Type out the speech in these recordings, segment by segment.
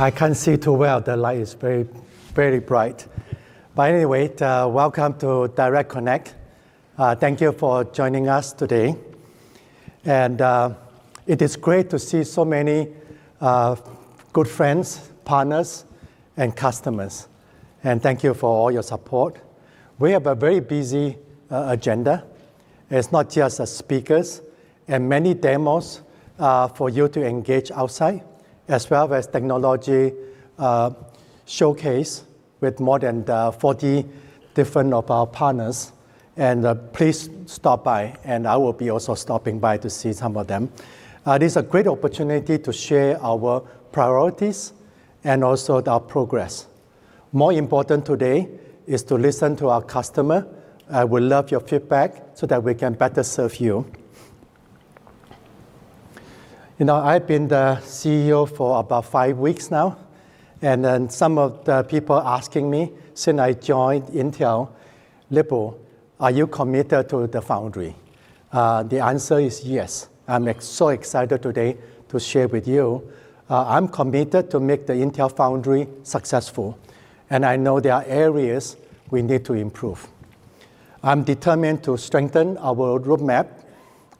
I can see too well. The light is very, very bright, but anyway, welcome to Direct Connect. Thank you for joining us today, and it is great to see so many good friends, partners, and customers, and thank you for all your support. We have a very busy agenda. It's not just speakers and many demos for you to engage outside, as well as technology showcase with more than 40 different partners, and please stop by, and I will be also stopping by to see some of them. It is a great opportunity to share our priorities and also our progress. More important today is to listen to our customer. I would love your feedback so that we can better serve you. You know, I've been the CEO for about five weeks now. Then some of the people asking me, since I joined Intel last year, are you committed to the foundry? The answer is yes. I'm so excited today to share with you. I'm committed to make the Intel Foundry successful. And I know there are areas we need to improve. I'm determined to strengthen our roadmap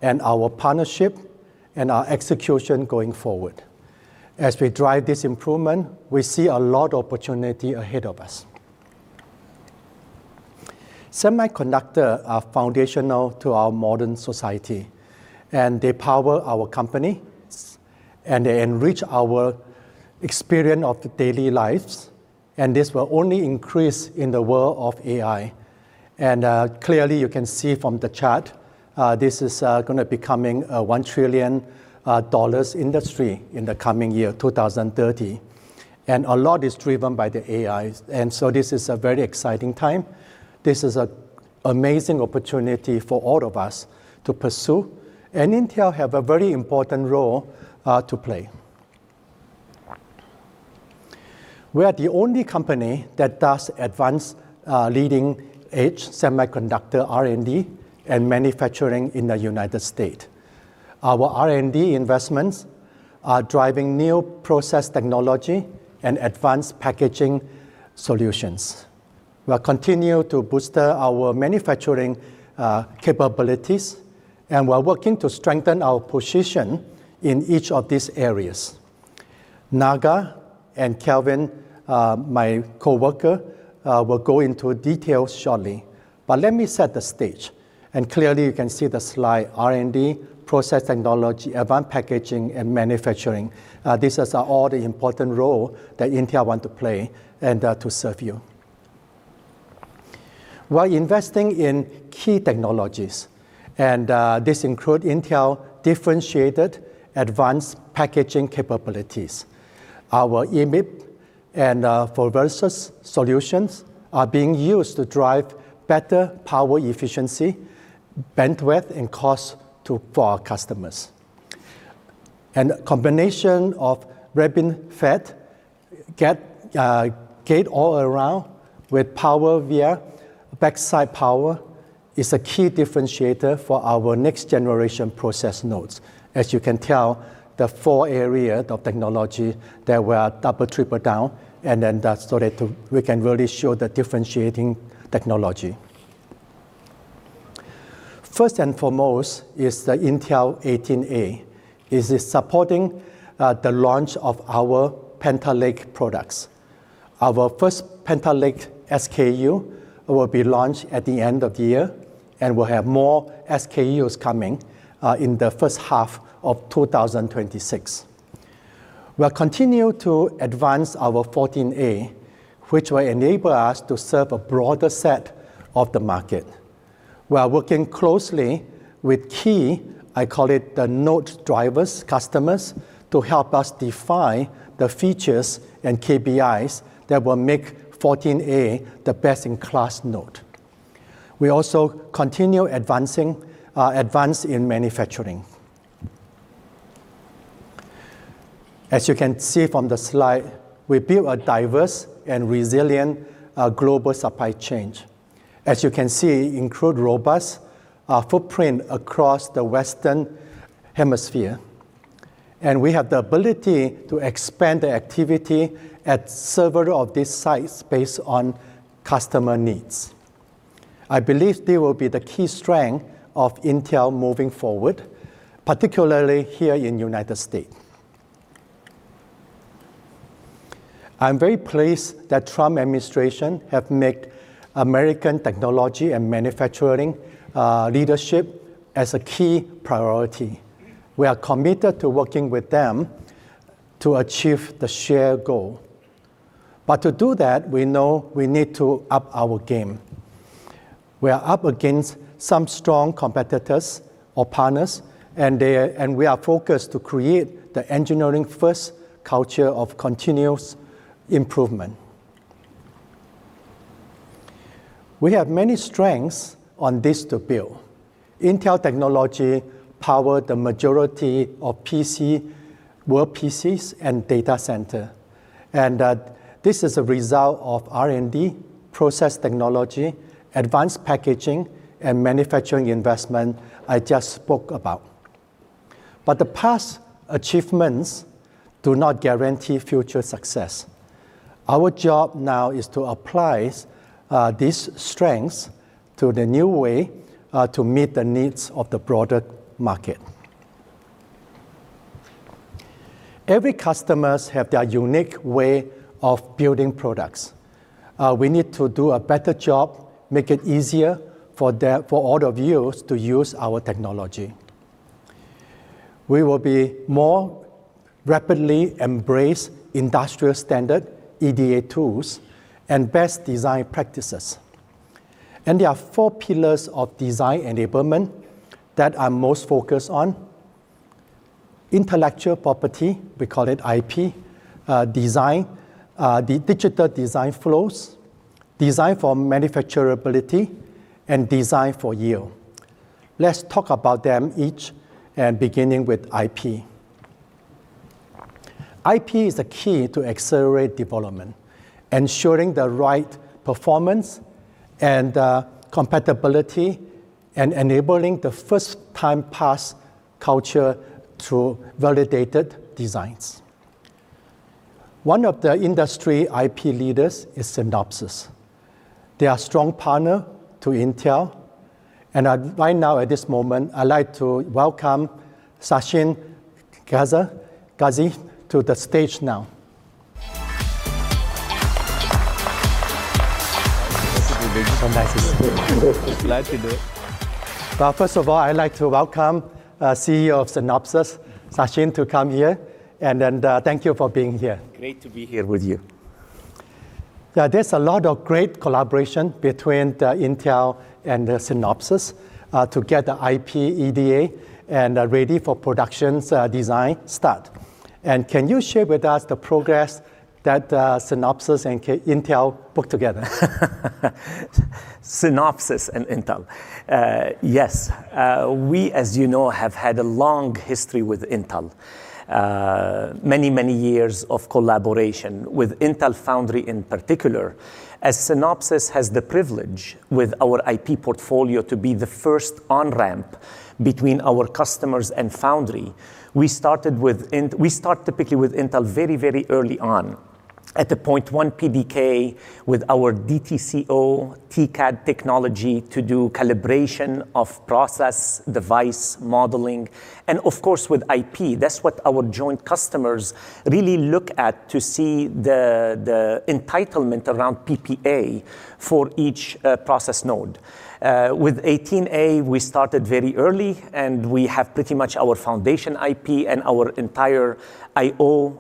and our partnership and our execution going forward. As we drive this improvement, we see a lot of opportunity ahead of us. Semiconductors are foundational to our modern society. And they power our companies. And they enrich our experience of daily lives. And this will only increase in the world of AI. And clearly, you can see from the chart, this is going to be becoming a $1 trillion industry in the coming year, 2030. And a lot is driven by the AI. And so this is a very exciting time. This is an amazing opportunity for all of us to pursue. And Intel has a very important role to play. We are the only company that does advanced leading-edge semiconductor R&D and manufacturing in the United States. Our R&D investments are driving new process technology and advanced packaging solutions. We'll continue to boost our manufacturing capabilities. And we're working to strengthen our position in each of these areas. Naga and Kevin, my coworker, will go into detail shortly. But let me set the stage. And clearly, you can see the slide: R&D, process technology, advanced packaging, and manufacturing. These are all the important roles that Intel wants to play and to serve you. We're investing in key technologies. And this includes Intel's differentiated advanced packaging capabilities. Our EMIB and Foveros solutions are being used to drive better power efficiency, bandwidth, and cost for our customers. And a combination of RibbonFET gate-all-around with PowerVia backside power is a key differentiator for our next-generation process nodes. As you can tell, the four areas of technology that were doubled, tripled down, and then so that we can really show the differentiating technology. First and foremost is the Intel 18A. It is supporting the launch of our Panther Lake products. Our first Panther Lake SKU will be launched at the end of the year. And we'll have more SKUs coming in the first half of 2026. We'll continue to advance our 14A, which will enable us to serve a broader set of the market. We're working closely with key, I call it the node drivers, customers, to help us define the features and KPIs that will make 14A the best-in-class node. We also continue advancing in manufacturing. As you can see from the slide, we build a diverse and resilient global supply chain. As you can see, it includes robust footprint across the Western Hemisphere, and we have the ability to expand the activity at several of these sites based on customer needs. I believe this will be the key strength of Intel moving forward, particularly here in the United States. I'm very pleased that the Trump administration has made American technology and manufacturing leadership a key priority. We are committed to working with them to achieve the shared goal, but to do that, we know we need to up our game. We are up against some strong competitors or partners, and we are focused to create the engineering-first culture of continuous improvement. We have many strengths on this to build. Intel technology powers the majority of PC, world PCs, and data centers. This is a result of R&D, process technology, advanced packaging, and manufacturing investment I just spoke about. The past achievements do not guarantee future success. Our job now is to apply these strengths to the new way to meet the needs of the broader market. Every customer has their unique way of building products. We need to do a better job, make it easier for all of you to use our technology. We will be more rapidly embracing industrial standards, EDA tools, and best design practices. There are four pillars of design enablement that I'm most focused on: intellectual property, we call it IP, design, digital design flows, design for manufacturability, and design for yield. Let's talk about them each, beginning with IP. IP is a key to accelerate development, ensuring the right performance and compatibility, and enabling the first-time-pass culture through validated designs. One of the industry IP leaders is Synopsys. They are a strong partner to Intel. And right now, at this moment, I'd like to welcome Sassine Ghazi to the stage now. This is amazing. Nice to see you. Glad to do it. First of all, I'd like to welcome the CEO of Synopsys, Sassine, to come here. Thank you for being here. Great to be here with you. There's a lot of great collaboration between Intel and Synopsys to get the IP, EDA, and ready for production design start, and can you share with us the progress that Synopsys and Intel put together? Synopsys and Intel. Yes. We, as you know, have had a long history with Intel, many, many years of collaboration. With Intel Foundry in particular, as Synopsys has the privilege with our IP portfolio to be the first on-ramp between our customers and foundry. We start typically with Intel very, very early on at the 0.1 PDK with our DTCO TCAD technology to do calibration of process device modeling, and of course, with IP, that's what our joint customers really look at to see the entitlement around PPA for each process node. With 18A, we started very early, and we have pretty much our foundation IP and our entire I/O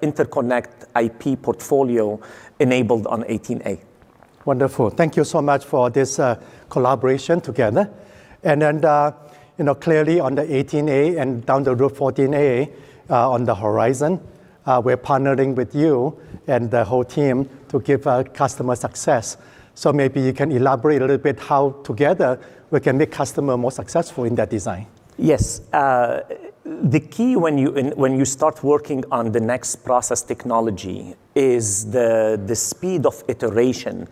Interconnect IP portfolio enabled on 18A. Wonderful. Thank you so much for this collaboration together. And clearly, on the 18A and down the road, 14A on the horizon, we're partnering with you and the whole team to give customer success. So maybe you can elaborate a little bit how together we can make customers more successful in their design. Yes. The key when you start working on the next process technology is the speed of iteration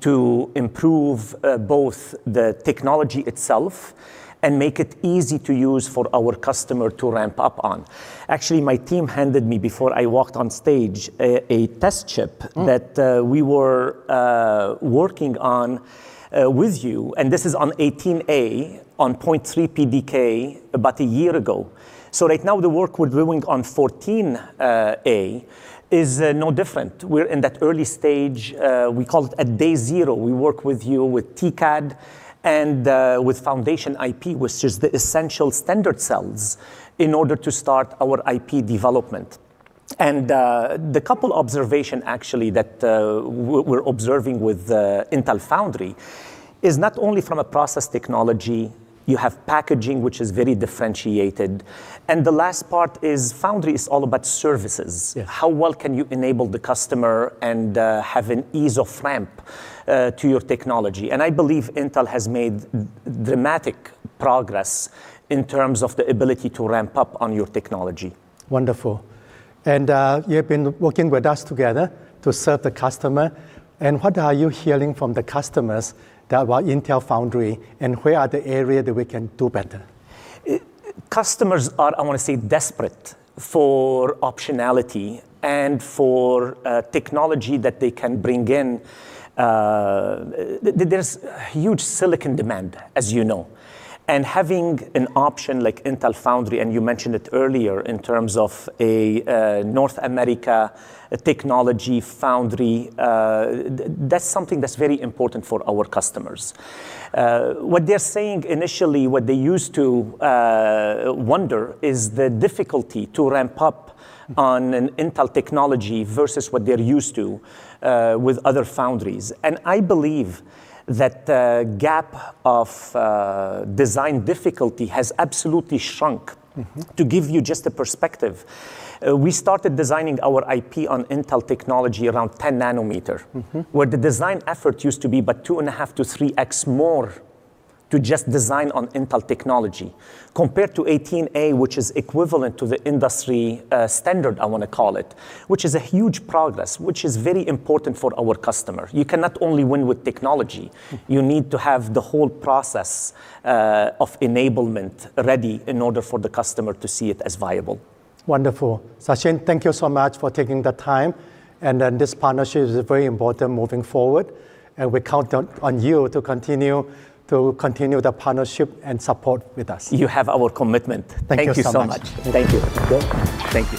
to improve both the technology itself and make it easy to use for our customer to ramp up on. Actually, my team handed me, before I walked on stage, a test chip that we were working on with you. And this is on 18A, on 0.3 PDK, about a year ago, so right now, the work we're doing on 14A is no different. We're in that early stage. We call it day zero. We work with you with TCAD and with foundation IP, which is the essential standard cells in order to start our IP development. And the couple of observations, actually, that we're observing with Intel Foundry is not only from a process technology. You have packaging, which is very differentiated. And the last part is Foundry is all about services. How well can you enable the customer and have an ease of ramp to your technology? And I believe Intel has made dramatic progress in terms of the ability to ramp up on your technology. Wonderful. And you've been working with us together to serve the customer. And what are you hearing from the customers about Intel Foundry? And where are the areas that we can do better? Customers are, I want to say, desperate for optionality and for technology that they can bring in. There's huge silicon demand, as you know. And having an option like Intel Foundry, and you mentioned it earlier, in terms of a North America technology foundry, that's something that's very important for our customers. What they're saying initially, what they used to wonder, is the difficulty to ramp up on an Intel technology versus what they're used to with other foundries. And I believe that the gap of design difficulty has absolutely shrunk. To give you just a perspective, we started designing our IP on Intel technology around 10 nanometers, where the design effort used to be about 2 and 1/2 to 3x more to just design on Intel technology, compared to 18A, which is equivalent to the industry standard, I want to call it, which is a huge progress, which is very important for our customer. You cannot only win with technology. You need to have the whole process of enablement ready in order for the customer to see it as viable. Wonderful. Sassine, thank you so much for taking the time. And this partnership is very important moving forward. And we count on you to continue the partnership and support with us. You have our commitment. Thank you so much. Thank you. Thank you.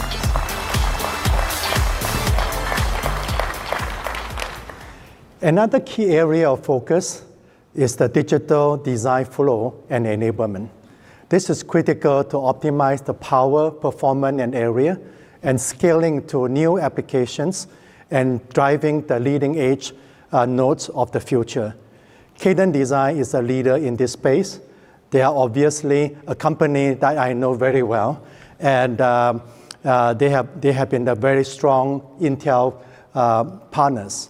Another key area of focus is the digital design flow and enablement. This is critical to optimize the power, performance, and area, and scaling to new applications and driving the leading-edge nodes of the future. Cadence Design is a leader in this space. They are obviously a company that I know very well. And they have been very strong Intel partners.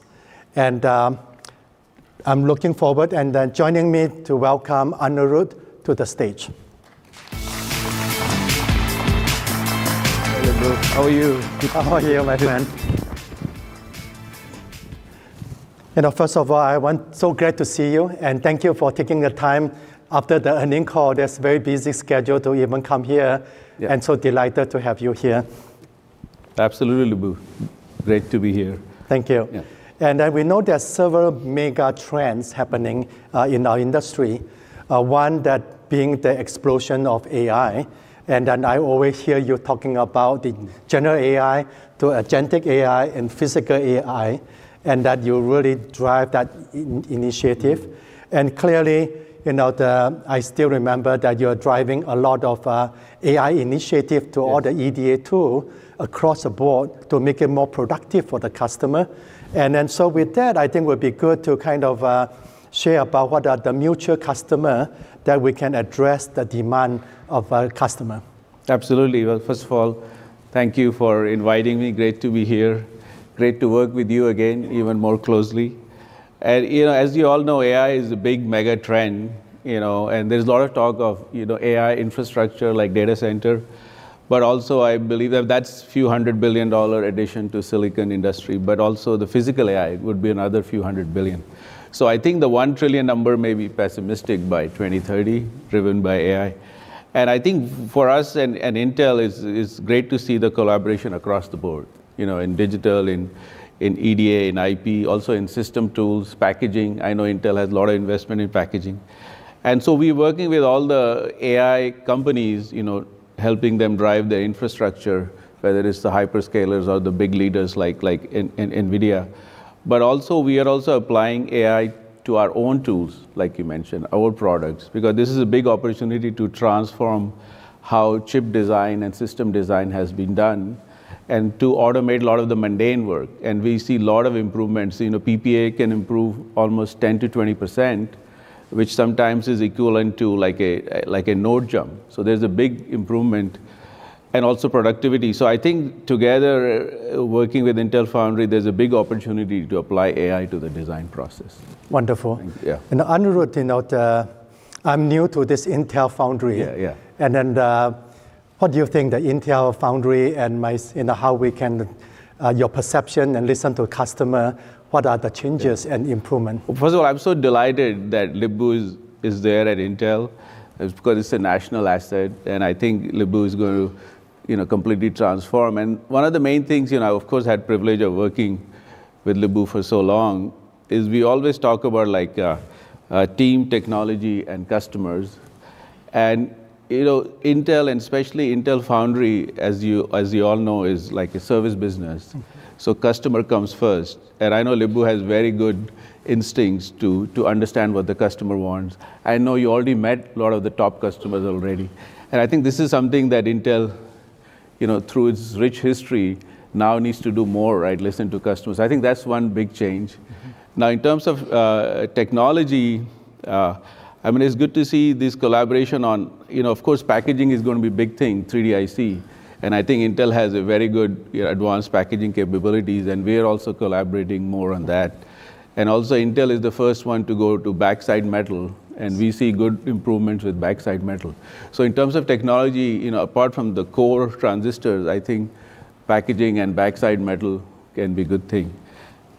And I'm looking forward. And joining me to welcome Anirudh to the stage. Hello, how are you? How are you, my friend? First of all, I'm so glad to see you. And thank you for taking the time after the earnings call. That's a very busy schedule to even come here. And so delighted to have you here. Absolutely, Lip-Bu. Great to be here. Thank you. And we know there are several mega trends happening in our industry, one being the explosion of AI. And I always hear you talking about the general AI to agentic AI and physical AI, and that you really drive that initiative. And clearly, I still remember that you're driving a lot of AI initiatives to all the EDA tools across the board to make it more productive for the customer. And so with that, I think it would be good to kind of share about what are the mutual customers that we can address the demand of our customers. Absolutely. Well, first of all, thank you for inviting me. Great to be here. Great to work with you again, even more closely, and as you all know, AI is a big mega trend, and there's a lot of talk of AI infrastructure, like data center, but also, I believe that that's a few hundred billion dollars in addition to the silicon industry, but also, the physical AI would be another few hundred billion, so I think the one trillion number may be pessimistic by 2030, driven by AI. And I think for us and Intel, it's great to see the collaboration across the board in digital, in EDA, in IP, also in system tools, packaging. I know Intel has a lot of investment in packaging. And so we're working with all the AI companies, helping them drive their infrastructure, whether it's the hyperscalers or the big leaders like NVIDIA. Also, we are applying AI to our own tools, like you mentioned, our products, because this is a big opportunity to transform how chip design and system design has been done and to automate a lot of the mundane work. We see a lot of improvements. PPA can improve almost 10%-20%, which sometimes is equivalent to like a node jump. There's a big improvement and also productivity. I think together, working with Intel Foundry, there's a big opportunity to apply AI to the design process. Wonderful. Anirudh, I'm new to this Intel Foundry. And what do you think the Intel Foundry and how we can your perception and listen to customers, what are the changes and improvements? First of all, I'm so delighted that Lip-Bu is there at Intel because it's a national asset. And I think Lip-Bu is going to completely transform. And one of the main things, of course, I had the privilege of working with Lip-Bu for so long, is we always talk about team technology and customers. And Intel, and especially Intel Foundry, as you all know, is like a service business. So customer comes first. And I know Lip-Bu has very good instincts to understand what the customer wants. I know you already met a lot of the top customers already. And I think this is something that Intel, through its rich history, now needs to do more, right, listen to customers. I think that's one big change. Now, in terms of technology, I mean, it's good to see this collaboration on, of course, packaging is going to be a big thing, 3D IC. And I think Intel has very good advanced packaging capabilities. And we are also collaborating more on that. And also, Intel is the first one to go to backside metal. And we see good improvements with backside metal. So in terms of technology, apart from the core transistors, I think packaging and backside metal can be a good thing.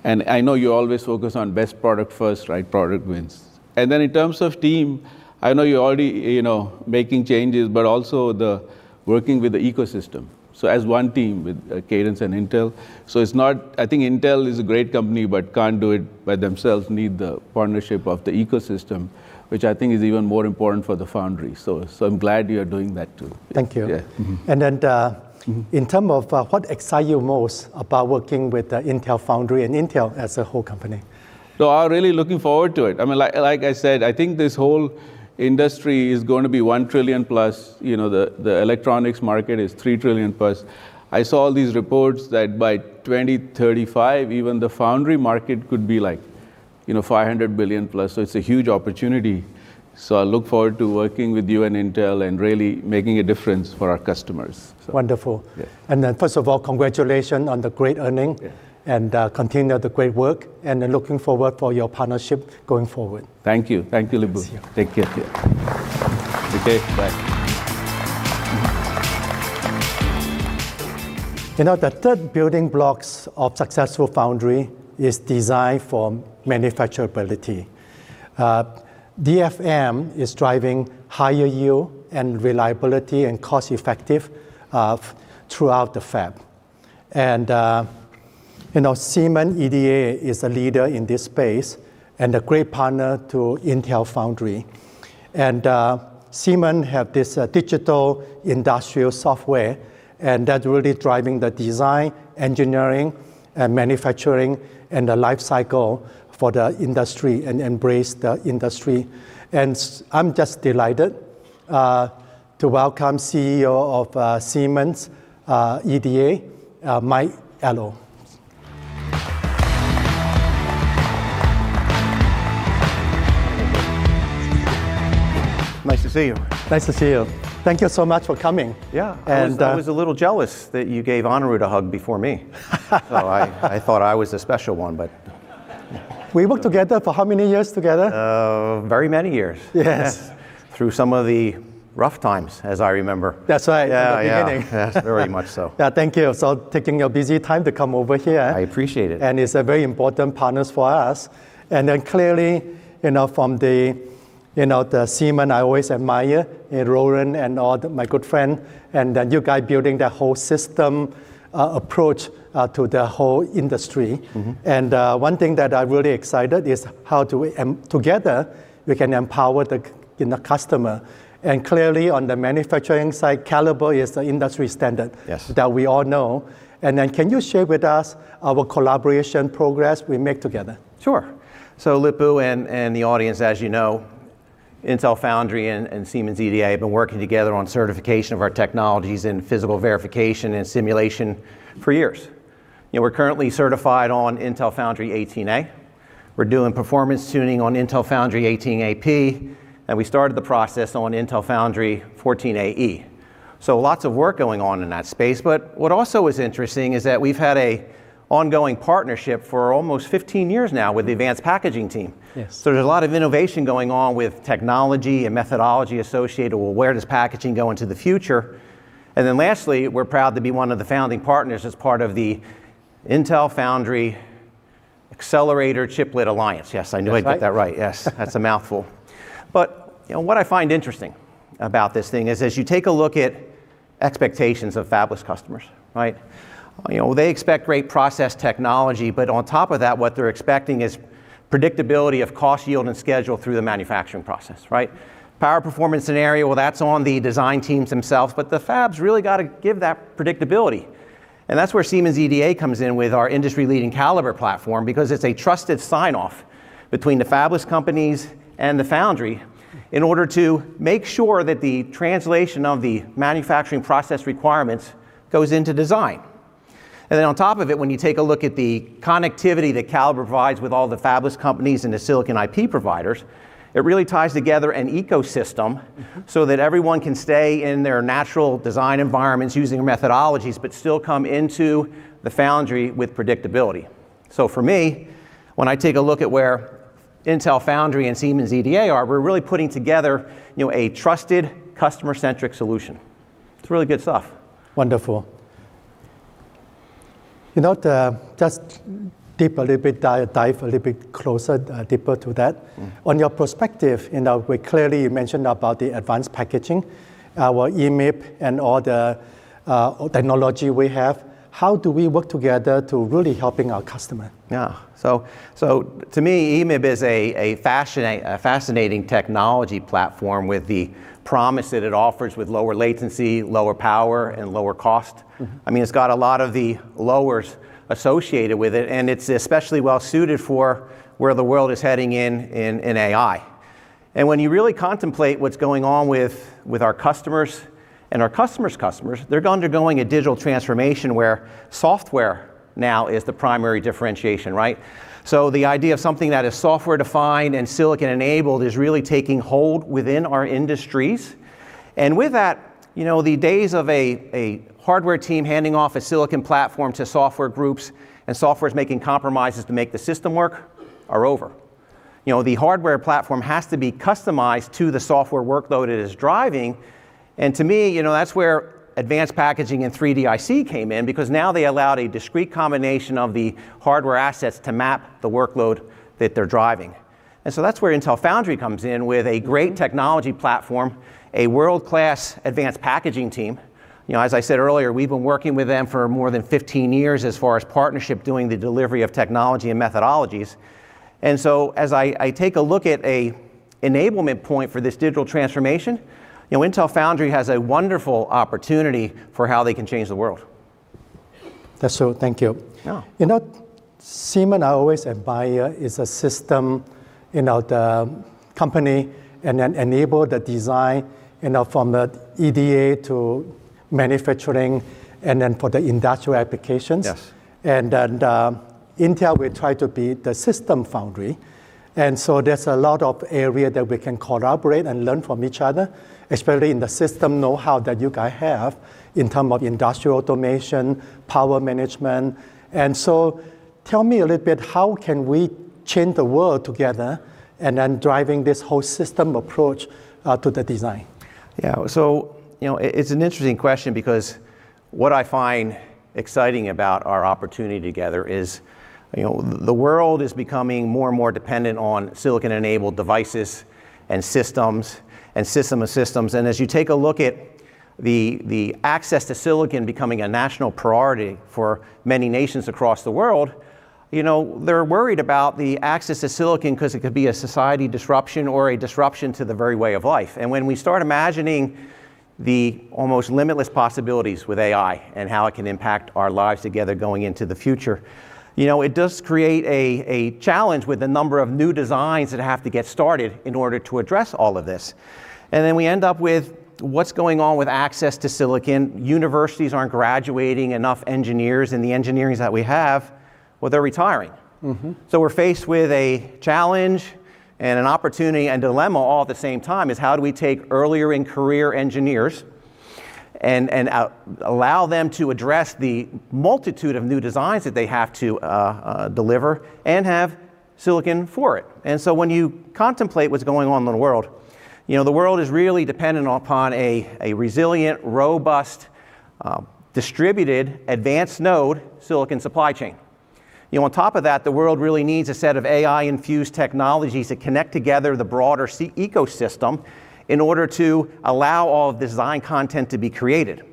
And I know you always focus on best product first, right, product wins. And then in terms of team, I know you're already making changes, but also working with the ecosystem. So as one team with Cadence and Intel. So, I think Intel is a great company but can't do it by themselves, need the partnership of the ecosystem, which I think is even more important for the foundry. So, I'm glad you're doing that too. Thank you. And in terms of what excites you most about working with Intel Foundry and Intel as a whole company? So I'm really looking forward to it. I mean, like I said, I think this whole industry is going to be $1 trillion plus. The electronics market is $3 trillion plus. I saw all these reports that by 2035, even the foundry market could be like $500 billion plus. So it's a huge opportunity. So I look forward to working with you and Intel and really making a difference for our customers. Wonderful. And then first of all, congratulations on the great earnings and continue the great work. And then looking forward to your partnership going forward. Thank you. Thank you, Lip-Bu. See you. Take care. See you. OK, bye. The third building block of successful foundry is design for manufacturability. DFM is driving higher yield and reliability and cost-effective throughout the fab. Siemens EDA is a leader in this space and a great partner to Intel Foundry. Siemens has this digital industrial software. That's really driving the design, engineering, and manufacturing and the life cycle for the industry and embrace the industry. I'm just delighted to welcome the CEO of Siemens EDA, Mike Ellow. Nice to see you. Nice to see you. Thank you so much for coming. Yeah. I was a little jealous that you gave Anirudh a hug before me. So I thought I was a special one, but. We worked together for how many years together? Very many years. Yes. Through some of the rough times, as I remember. That's right. Yeah, the beginning. Yeah, very much so. Yeah. Thank you. So taking your busy time to come over here. I appreciate it. And it's a very important partners for us. And then clearly, from the Siemens, I always admire and Roland and all my good friends. And then you guys building that whole system approach to the whole industry. And one thing that I'm really excited is how together we can empower the customer. And clearly, on the manufacturing side, Calibre is the industry standard that we all know. And then can you share with us our collaboration progress we make together? Sure. So Lip-Bu Tan and the audience, as you know, Intel Foundry and Siemens EDA have been working together on certification of our technologies and physical verification and simulation for years. We're currently certified on Intel Foundry 18A. We're doing performance tuning on Intel Foundry 18A-P. And we started the process on Intel Foundry 14A. So lots of work going on in that space. But what also is interesting is that we've had an ongoing partnership for almost 15 years now with the Advanced Packaging team. So there's a lot of innovation going on with technology and methodology associated with where this packaging going to the future. And then lastly, we're proud to be one of the founding partners as part of the Intel Foundry Accelerator Chiplet Alliance. Yes, I knew I'd get that right. Yes, that's a mouthful. But what I find interesting about this thing is, as you take a look at expectations of fabless customers, right, they expect great process technology. But on top of that, what they're expecting is predictability of cost, yield, and schedule through the manufacturing process, right? Power, performance, area, well, that's on the design teams themselves. But the fabs really got to give that predictability. And that's where Siemens EDA comes in with our industry-leading Calibre platform, because it's a trusted sign-off between the fabless companies and the foundry in order to make sure that the translation of the manufacturing process requirements goes into design. And then on top of it, when you take a look at the connectivity that Calibre provides with all the fabless companies and the silicon IP providers, it really ties together an ecosystem so that everyone can stay in their natural design environments using methodologies, but still come into the foundry with predictability. So for me, when I take a look at where Intel Foundry and Siemens EDA are, we're really putting together a trusted, customer-centric solution. It's really good stuff. Wonderful. Just dip a little bit, dive a little bit closer, deeper to that. On your perspective, we clearly mentioned about the advanced packaging, our EMIB and all the technology we have. How do we work together to really help our customers? Yeah. So to me, EMIB is a fascinating technology platform with the promise that it offers with lower latency, lower power, and lower cost. I mean, it's got a lot of the lowers associated with it, and it's especially well-suited for where the world is heading in AI, and when you really contemplate what's going on with our customers and our customers' customers, they're undergoing a digital transformation where software now is the primary differentiation, right, so the idea of something that is software-defined and silicon-enabled is really taking hold within our industries, and with that, the days of a hardware team handing off a silicon platform to software groups and software's making compromises to make the system work are over. The hardware platform has to be customized to the software workload it is driving. And to me, that's where advanced packaging and 3D IC came in, because now they allowed a discrete combination of the hardware assets to map the workload that they're driving. And so that's where Intel Foundry comes in with a great technology platform, a world-class advanced packaging team. As I said earlier, we've been working with them for more than 15 years as far as partnership doing the delivery of technology and methodologies. And so as I take a look at an enablement point for this digital transformation, Intel Foundry has a wonderful opportunity for how they can change the world. So thank you. Siemens, I always admire, is a system company and then enable the design from the EDA to manufacturing and then for the industrial applications. And Intel, we try to be the system foundry. And so there's a lot of area that we can collaborate and learn from each other, especially in the system know-how that you guys have in terms of industrial automation, power management. And so tell me a little bit, how can we change the world together and then driving this whole system approach to the design? Yeah. So it's an interesting question, because what I find exciting about our opportunity together is the world is becoming more and more dependent on silicon-enabled devices and systems and system of systems. And as you take a look at the access to silicon becoming a national priority for many nations across the world, they're worried about the access to silicon because it could be a society disruption or a disruption to the very way of life. And when we start imagining the almost limitless possibilities with AI and how it can impact our lives together going into the future, it does create a challenge with the number of new designs that have to get started in order to address all of this. And then we end up with what's going on with access to silicon. Universities aren't graduating enough engineers in the engineering that we have. Well, they're retiring. So we're faced with a challenge and an opportunity and dilemma all at the same time, is how do we take earlier in career engineers and allow them to address the multitude of new designs that they have to deliver and have silicon for it? And so when you contemplate what's going on in the world, the world is really dependent upon a resilient, robust, distributed, advanced node silicon supply chain. On top of that, the world really needs a set of AI-infused technologies to connect together the broader ecosystem in order to allow all of the design content to be created.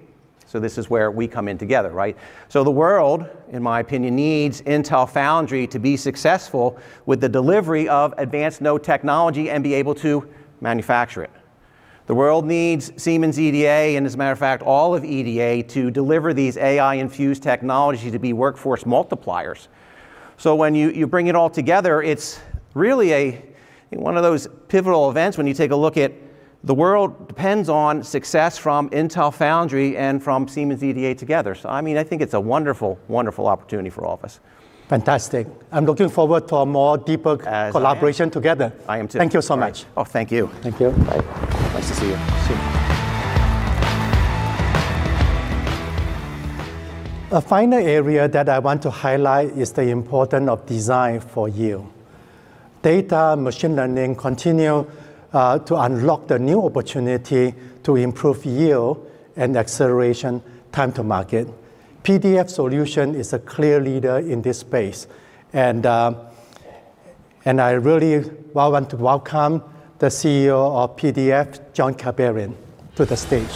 So this is where we come in together, right? So the world, in my opinion, needs Intel Foundry to be successful with the delivery of advanced node technology and be able to manufacture it. The world needs Siemens EDA and, as a matter of fact, all of EDA to deliver these AI-infused technologies to be workforce multipliers. So when you bring it all together, it's really one of those pivotal events when you take a look at the world depends on success from Intel Foundry and from Siemens EDA together. So I mean, I think it's a wonderful, wonderful opportunity for all of us. Fantastic. I'm looking forward to a more deeper collaboration together. I am too. Thank you so much. Oh, thank you. Thank you. Nice to see you. A final area that I want to highlight is the importance of design for yield. Data, machine learning continue to unlock the new opportunity to improve yield and acceleration time to market. PDF Solutions is a clear leader in this space. And I really want to welcome the CEO of PDF Solutions, John Kibarian, to the stage.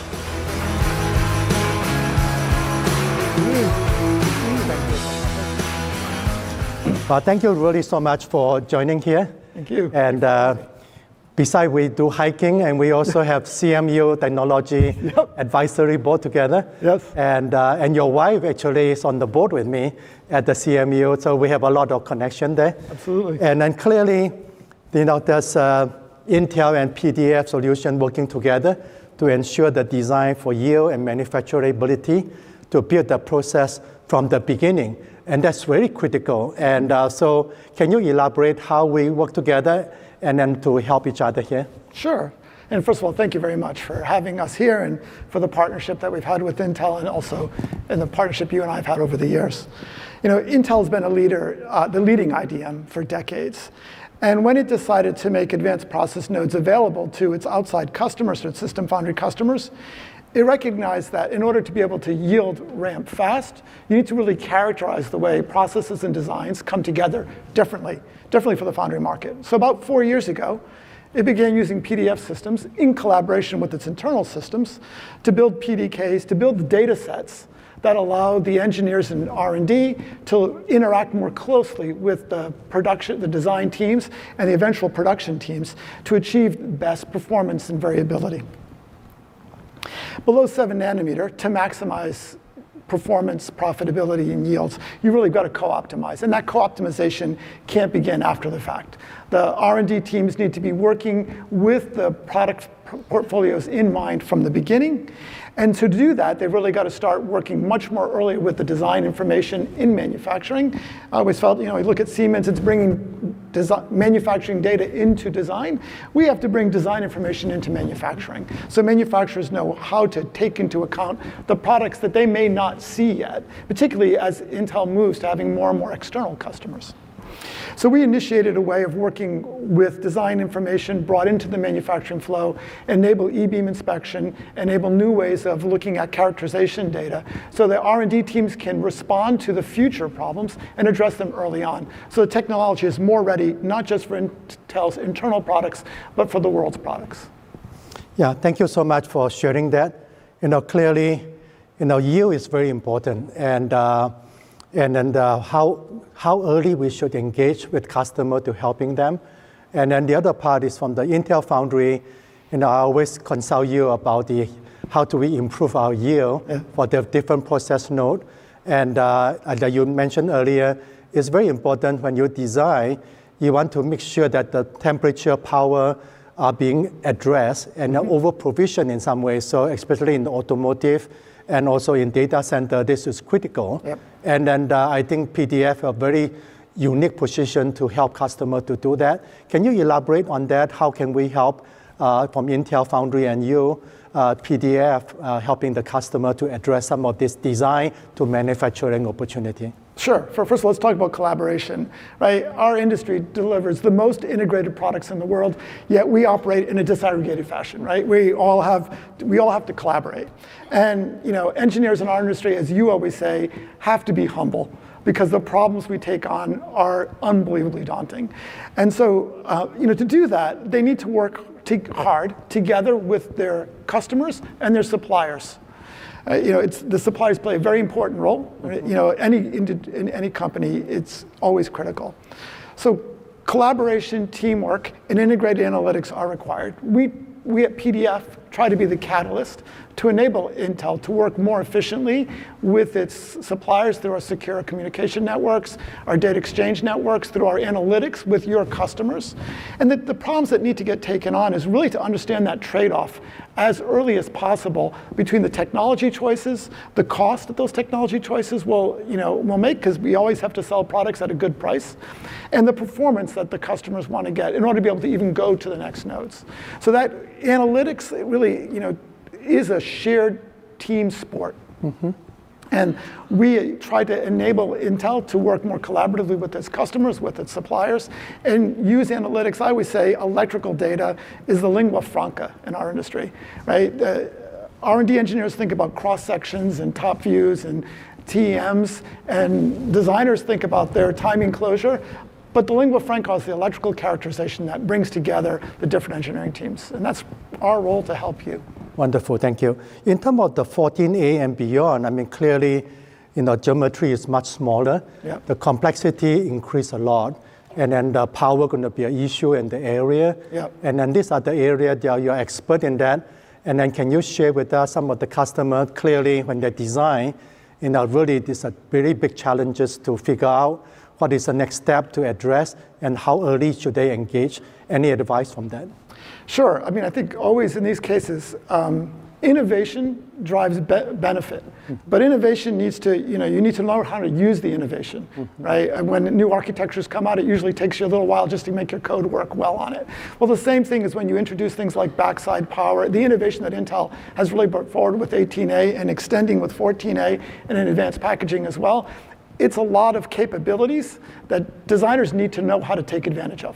Thank you really so much for joining here. Thank you. And besides, we do hiking. And we also have CMU Technology Advisory Board together. And your wife actually is on the board with me at the CMU. So we have a lot of connection there. Absolutely. Then clearly, there's Intel and PDF Solutions working together to ensure the design for yield and manufacturability to build the process from the beginning. And that's very critical. So can you elaborate how we work together and then to help each other here? Sure, and first of all, thank you very much for having us here and for the partnership that we've had with Intel and also in the partnership you and I have had over the years. Intel has been the leading IDM for decades, and when it decided to make advanced process nodes available to its outside customers, to its system foundry customers, it recognized that in order to be able to yield ramp fast, you need to really characterize the way processes and designs come together differently, differently for the foundry market. So about four years ago, it began using PDF Solutions in collaboration with its internal systems to build PDKs, to build data sets that allow the engineers and R&D to interact more closely with the design teams and the eventual production teams to achieve best performance and variability. Below seven nanometers to maximize performance, profitability, and yields, you really got to co-optimize. And that co-optimization can't begin after the fact. The R&D teams need to be working with the product portfolios in mind from the beginning. And to do that, they've really got to start working much more early with the design information in manufacturing. We felt. We look at Siemens. It's bringing manufacturing data into design. We have to bring design information into manufacturing so manufacturers know how to take into account the products that they may not see yet, particularly as Intel moves to having more and more external customers. So we initiated a way of working with design information brought into the manufacturing flow, enable e-beam inspection, enable new ways of looking at characterization data so the R&D teams can respond to the future problems and address them early on. So the technology is more ready, not just for Intel's internal products, but for the world's products. Yeah. Thank you so much for sharing that. Clearly, yield is very important and how early we should engage with customers to helping them. And then the other part is from the Intel Foundry. I always consult you about how do we improve our yield for the different process nodes. And as you mentioned earlier, it's very important when you design, you want to make sure that the temperature, power are being addressed and overprovisioned in some ways. So especially in automotive and also in data center, this is critical. And then I think PDF Solutions is a very unique position to help customers to do that. Can you elaborate on that? How can we help from Intel Foundry and you, PDF Solutions, helping the customer to address some of this design to manufacturing opportunity? Sure. First, let's talk about collaboration. Our industry delivers the most integrated products in the world, yet we operate in a disaggregated fashion. We all have to collaborate, and engineers in our industry, as you always say, have to be humble because the problems we take on are unbelievably daunting, and so to do that, they need to work hard together with their customers and their suppliers. The suppliers play a very important role. In any company, it's always critical, so collaboration, teamwork, and integrated analytics are required. We at PDF Solutions try to be the catalyst to enable Intel to work more efficiently with its suppliers through our secure communication networks, our data exchange networks, through our analytics with your customers. The problems that need to get taken on is really to understand that trade-off as early as possible between the technology choices, the cost that those technology choices will make because we always have to sell products at a good price, and the performance that the customers want to get in order to be able to even go to the next nodes. So that analytics really is a shared team sport. And we try to enable Intel to work more collaboratively with its customers, with its suppliers. And use analytics. I always say electrical data is the lingua franca in our industry. R&D engineers think about cross sections and top views and TEMs, and designers think about their timing closure. But the lingua franca is the electrical characterization that brings together the different engineering teams. And that's our role to help you. Wonderful. Thank you. In terms of the 14A and beyond, I mean, clearly, geometry is much smaller. The complexity increased a lot. And then the power is going to be an issue in the area. And then these are the areas that you're expert in that. And then can you share with us some of the customers clearly when they design? Really, these are very big challenges to figure out what is the next step to address and how early should they engage? Any advice from that? Sure. I mean, I think always in these cases, innovation drives benefit. But innovation needs to, you need to know how to use the innovation. And when new architectures come out, it usually takes you a little while just to make your code work well on it. Well, the same thing is when you introduce things like backside power. The innovation that Intel has really brought forward with 18A and extending with 14A and in advanced packaging as well, it's a lot of capabilities that designers need to know how to take advantage of.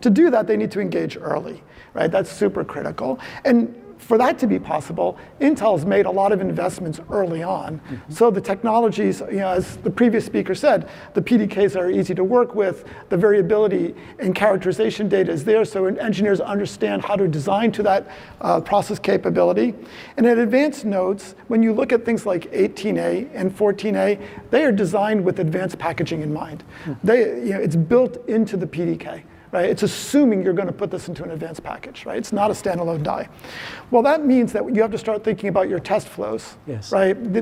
To do that, they need to engage early. That's super critical. And for that to be possible, Intel has made a lot of investments early on. So the technologies, as the previous speaker said, the PDKs are easy to work with. The variability in characterization data is there so engineers understand how to design to that process capability, and at advanced nodes, when you look at things like 18A and 14A, they are designed with advanced packaging in mind. It's built into the PDK. It's assuming you're going to put this into an advanced package. It's not a standalone die, well, that means that you have to start thinking about your test flows,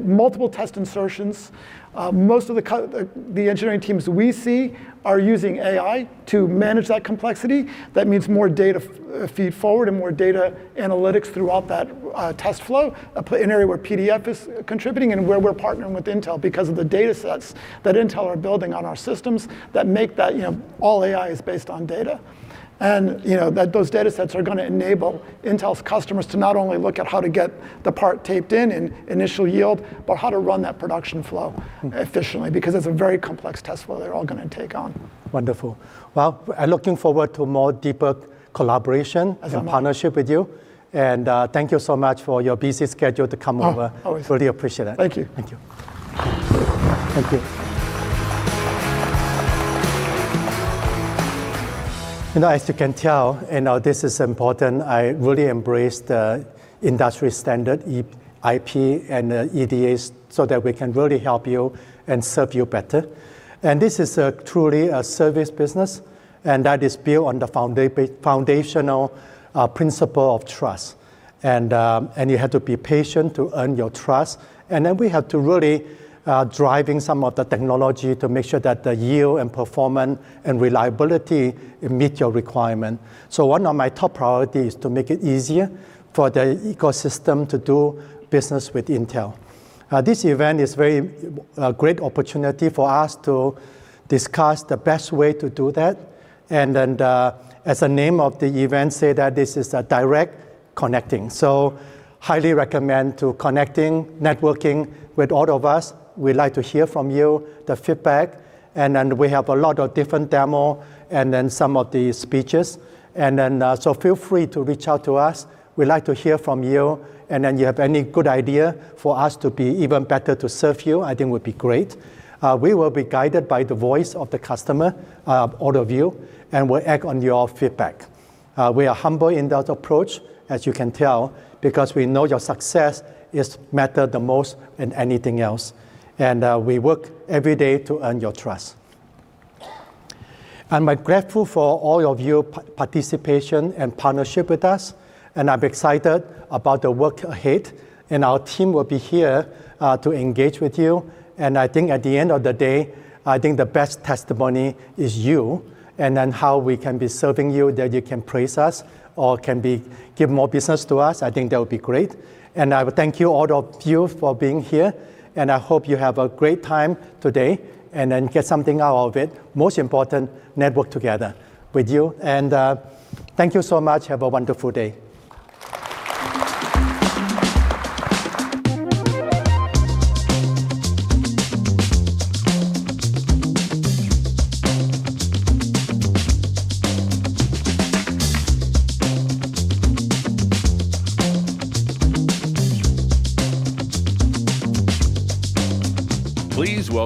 multiple test insertions. Most of the engineering teams we see are using AI to manage that complexity. That means more data feed forward and more data analytics throughout that test flow in an area where PDF Solutions is contributing and where we're partnering with Intel because of the data sets that Intel are building on our systems that make that all AI is based on data. And those data sets are going to enable Intel's customers to not only look at how to get the part taped in and initial yield, but how to run that production flow efficiently because it's a very complex test flow they're all going to take on. Wonderful. Well, I'm looking forward to more deeper collaboration and partnership with you. And thank you so much for your busy schedule to come over. Really appreciate it. Thank you. Thank you. Thank you. As you can tell, this is important. I really embrace the industry standard, IP, and EDAs so that we can really help you and serve you better. And this is truly a service business. And that is built on the foundational principle of trust. And you have to be patient to earn your trust. And then we have to really drive some of the technology to make sure that the yield and performance and reliability meet your requirement. So one of my top priorities is to make it easier for the ecosystem to do business with Intel. This event is a great opportunity for us to discuss the best way to do that. And then as the name of the event say that this is a direct connecting. So highly recommend to connecting, networking with all of us. We'd like to hear from you, the feedback. We have a lot of different demos and then some of the speeches. So feel free to reach out to us. We'd like to hear from you. If you have any good ideas for us to be even better to serve you, I think that would be great. We will be guided by the voice of the customer, all of you, and will act on your feedback. We are humble in that approach, as you can tell, because we know your success matters the most than anything else. We work every day to earn your trust. I'm grateful for all of your participation and partnership with us. I'm excited about the work ahead. Our team will be here to engage with you. I think at the end of the day, the best testimony is you. And then how we can be serving you that you can praise us or can give more business to us, I think that would be great. And I would thank you, all of you, for being here. And I hope you have a great time today and then get something out of it. Most important, network together with you. And thank you so much. Have a wonderful day.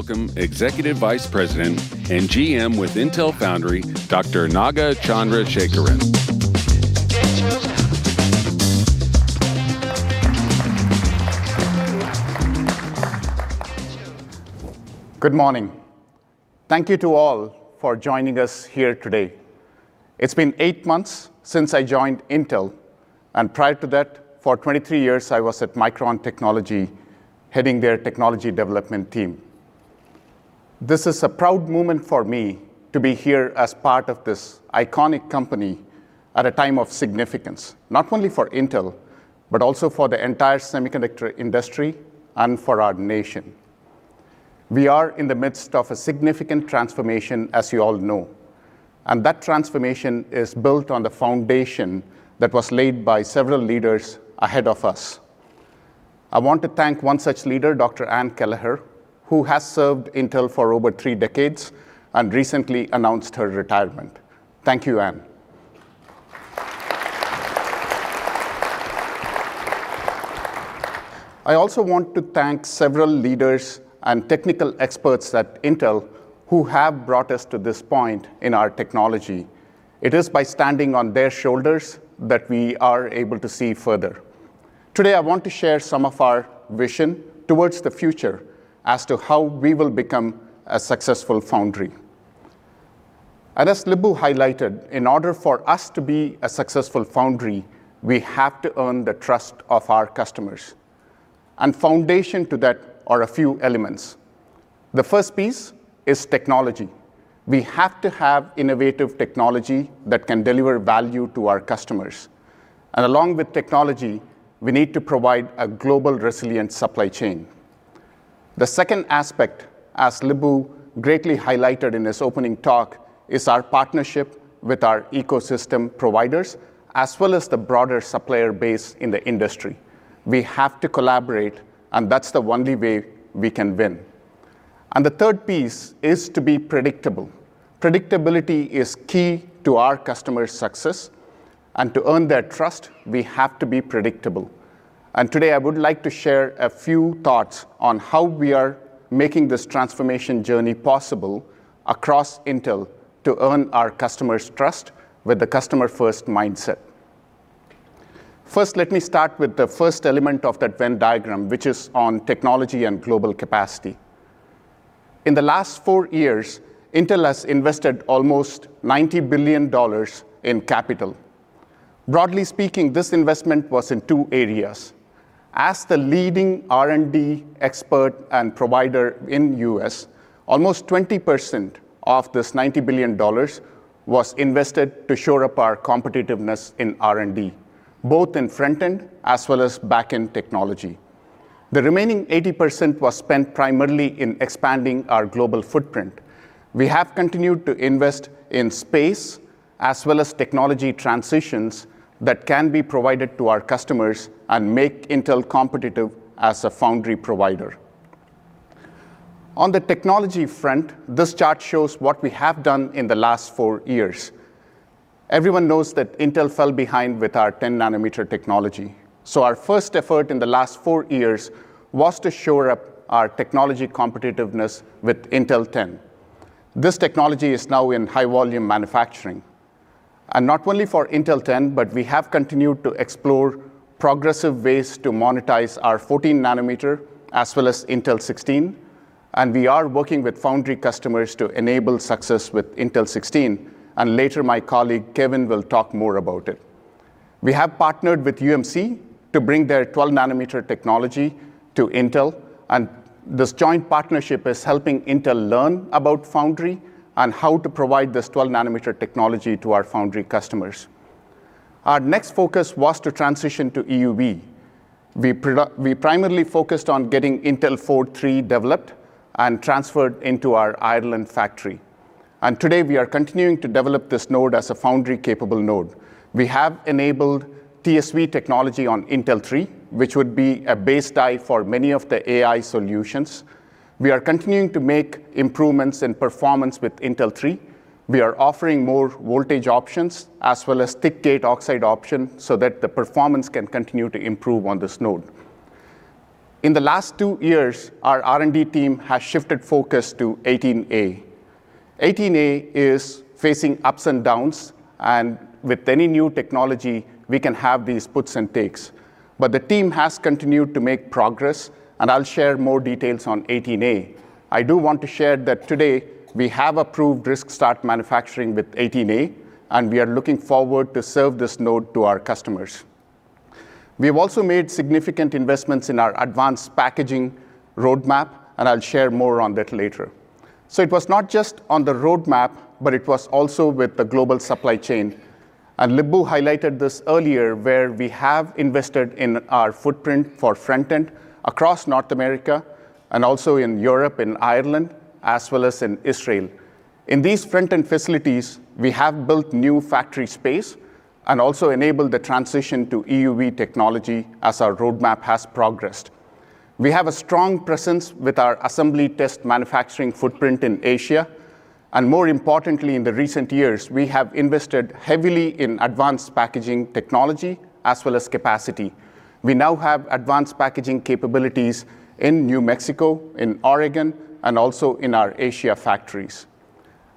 Please welcome Executive Vice President and GM with Intel Foundry, Dr. Naga Chandrasekaran. Good morning. Thank you to all for joining us here today. It's been eight months since I joined Intel, and prior to that, for 23 years, I was at Micron Technology heading their technology development team. This is a proud moment for me to be here as part of this iconic company at a time of significance, not only for Intel, but also for the entire semiconductor industry and for our nation. We are in the midst of a significant transformation, as you all know, and that transformation is built on the foundation that was laid by several leaders ahead of us. I want to thank one such leader, Dr. Ann Kelleher, who has served Intel for over three decades and recently announced her retirement. Thank you, Ann. I also want to thank several leaders and technical experts at Intel who have brought us to this point in our technology. It is by standing on their shoulders that we are able to see further. Today, I want to share some of our vision towards the future as to how we will become a successful foundry. As Lip-Bu highlighted, in order for us to be a successful foundry, we have to earn the trust of our customers. And foundation to that are a few elements. The first piece is technology. We have to have innovative technology that can deliver value to our customers. And along with technology, we need to provide a global resilient supply chain. The second aspect, as Lip-Bu greatly highlighted in his opening talk, is our partnership with our ecosystem providers as well as the broader supplier base in the industry. We have to collaborate, and that's the only way we can win. And the third piece is to be predictable. Predictability is key to our customer's success. To earn their trust, we have to be predictable. Today, I would like to share a few thoughts on how we are making this transformation journey possible across Intel to earn our customers' trust with the customer-first mindset. First, let me start with the first element of that Venn diagram, which is on technology and global capacity. In the last four years, Intel has invested almost $90 billion in capital. Broadly speaking, this investment was in two areas. As the leading R&D expert and provider in the U.S., almost 20% of this $90 billion was invested to shore up our competitiveness in R&D, both in front-end as well as back-end technology. The remaining 80% was spent primarily in expanding our global footprint. We have continued to invest in space as well as technology transitions that can be provided to our customers and make Intel competitive as a foundry provider. On the technology front, this chart shows what we have done in the last four years. Everyone knows that Intel fell behind with our 10-nanometer technology. Our first effort in the last four years was to shore up our technology competitiveness with Intel 10. This technology is now in high-volume manufacturing. Not only for Intel 10, but we have continued to explore progressive ways to monetize our 14-nm as well as Intel 16. We are working with foundry customers to enable success with Intel 16. Later, my colleague Kevin will talk more about it. We have partnered with UMC to bring their 12-nm technology to Intel. This joint partnership is helping Intel learn about foundry and how to provide this 12-nanometer technology to our foundry customers. Our next focus was to transition to EUV. We primarily focused on getting Intel 4 developed and transferred into our Ireland factory. Today, we are continuing to develop this node as a foundry-capable node. We have enabled TSV technology on Intel 3, which would be a base die for many of the AI solutions. We are continuing to make improvements in performance with Intel 3. We are offering more voltage options as well as thick gate oxide options so that the performance can continue to improve on this node. In the last two years, our R&D team has shifted focus to 18A. 18A is facing ups and downs. With any new technology, we can have these puts and takes. But the team has continued to make progress. I'll share more details on 18A. I do want to share that today, we have approved risk start manufacturing with 18A. We are looking forward to serve this node to our customers. We have also made significant investments in our advanced packaging roadmap. I'll share more on that later. It was not just on the roadmap, but it was also with the global supply chain. Lip-Bu highlighted this earlier, where we have invested in our footprint for front-end across North America and also in Europe, in Ireland, as well as in Israel. In these front-end facilities, we have built new factory space and also enabled the transition to EUV technology as our roadmap has progressed. We have a strong presence with our assembly test manufacturing footprint in Asia. And more importantly, in the recent years, we have invested heavily in advanced packaging technology as well as capacity. We now have advanced packaging capabilities in New Mexico, in Oregon, and also in our Asia factories.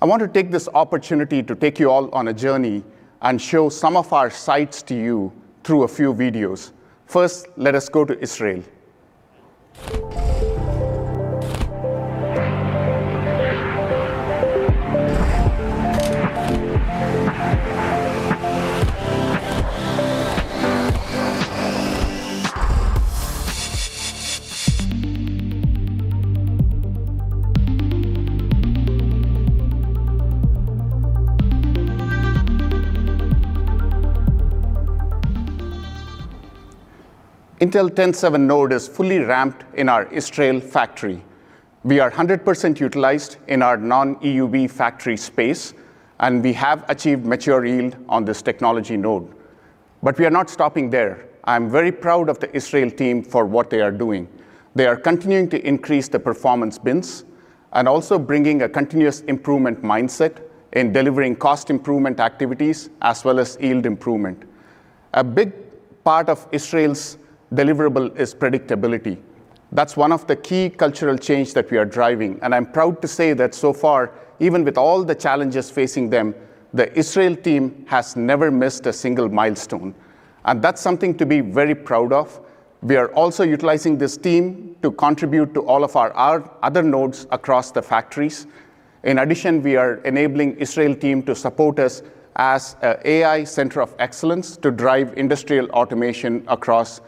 I want to take this opportunity to take you all on a journey and show some of our sites to you through a few videos. First, let us go to Israel. Intel 7 node is fully ramped in our Israel factory. We are 100% utilized in our non-EUV factory space, and we have achieved mature yield on this technology node. But we are not stopping there. I'm very proud of the Israel team for what they are doing. They are continuing to increase the performance bins and also bringing a continuous improvement mindset in delivering cost improvement activities as well as yield improvement. A big part of Israel's deliverable is predictability. That's one of the key cultural changes that we are driving. And I'm proud to say that so far, even with all the challenges facing them, the Israel team has never missed a single milestone. And that's something to be very proud of. We are also utilizing this team to contribute to all of our other nodes across the factories. In addition, we are enabling the Israel team to support us as an AI center of excellence to drive industrial automation across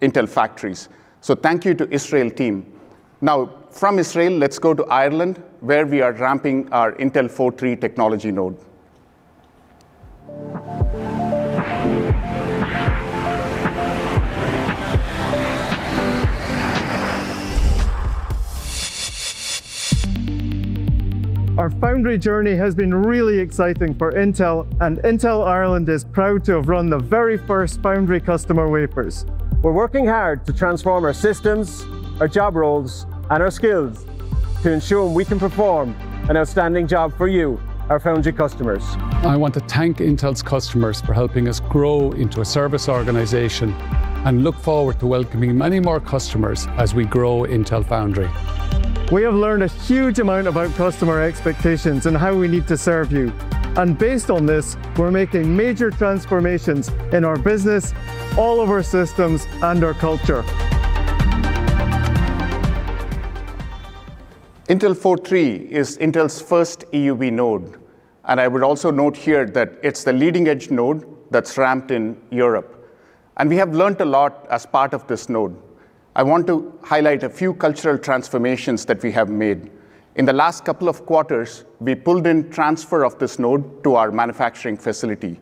Intel factories. So thank you to the Israel team. Now, from Israel, let's go to Ireland, where we are ramping our Intel 4 technology node. Our foundry journey has been really exciting for Intel. And Intel Ireland is proud to have run the very first foundry customer wafers. We're working hard to transform our systems, our job roles, and our skills to ensure we can perform an outstanding job for you, our foundry customers. I want to thank Intel's customers for helping us grow into a service organization and look forward to welcoming many more customers as we grow Intel Foundry. We have learned a huge amount about customer expectations and how we need to serve you. And based on this, we're making major transformations in our business, all of our systems, and our culture. Intel 4 is Intel's first EUV node. And I would also note here that it's the leading-edge node that's ramped in Europe. And we have learned a lot as part of this node. I want to highlight a few cultural transformations that we have made. In the last couple of quarters, we pulled in transfer of this node to our manufacturing facility.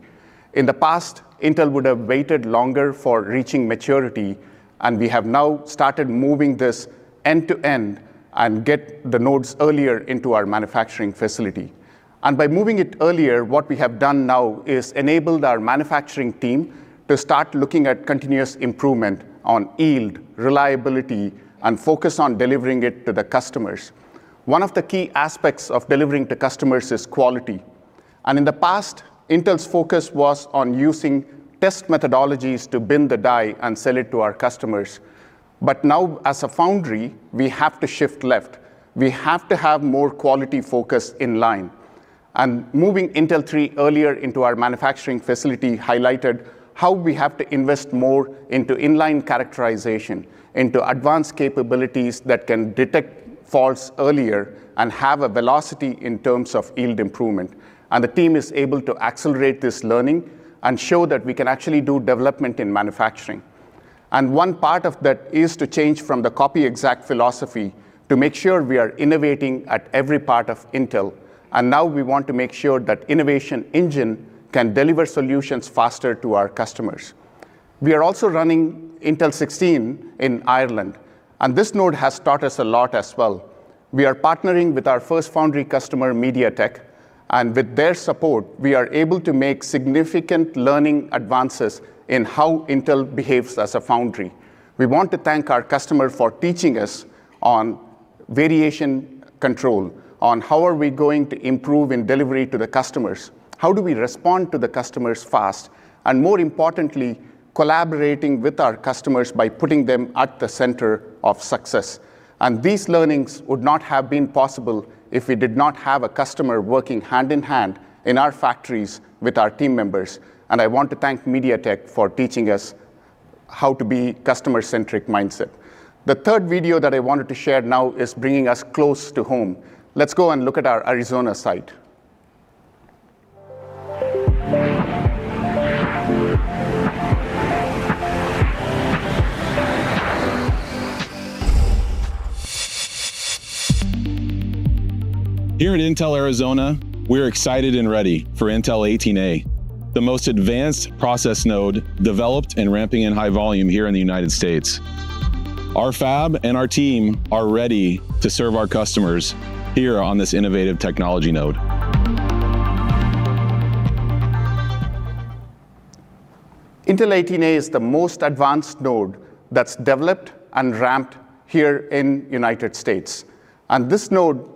In the past, Intel would have waited longer for reaching maturity, and we have now started moving this end-to-end and getting the nodes earlier into our manufacturing facility, and by moving it earlier, what we have done now is enabled our manufacturing team to start looking at continuous improvement on yield, reliability, and focus on delivering it to the customers. One of the key aspects of delivering to customers is quality, and in the past, Intel's focus was on using test methodologies to bin the die and sell it to our customers, but now, as a foundry, we have to shift left. We have to have more quality focus in line, and moving Intel 3 earlier into our manufacturing facility highlighted how we have to invest more into inline characterization, into advanced capabilities that can detect faults earlier and have a velocity in terms of yield improvement. The team is able to accelerate this learning and show that we can actually do development in manufacturing. One part of that is to change from the copy-exact philosophy to make sure we are innovating at every part of Intel. Now we want to make sure that the innovation engine can deliver solutions faster to our customers. We are also running Intel 16 in Ireland. This node has taught us a lot as well. We are partnering with our first foundry customer, MediaTek. With their support, we are able to make significant learning advances in how Intel behaves as a foundry. We want to thank our customer for teaching us on variation control, on how are we going to improve in delivery to the customers, how do we respond to the customers fast, and more importantly, collaborating with our customers by putting them at the center of success. And these learnings would not have been possible if we did not have a customer working hand in hand in our factories with our team members. And I want to thank MediaTek for teaching us how to be a customer-centric mindset. The third video that I wanted to share now is bringing us close to home. Let's go and look at our Arizona site. Here at Intel Arizona, we're excited and ready for Intel 18A, the most advanced process node developed and ramping in high volume here in the United States. Our fab and our team are ready to serve our customers here on this innovative technology node. Intel 18A is the most advanced node that's developed and ramped here in the United States, and this node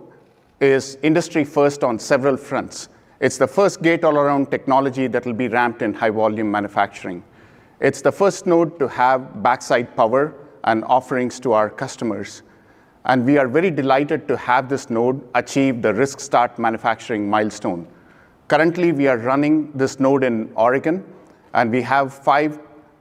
is industry-first on several fronts. It's the first gate-all-around technology that will be ramped in high-volume manufacturing. It's the first node to have backside power and offerings to our customers, and we are very delighted to have this node achieve the risk start manufacturing milestone. Currently, we are running this node in Oregon, and we have five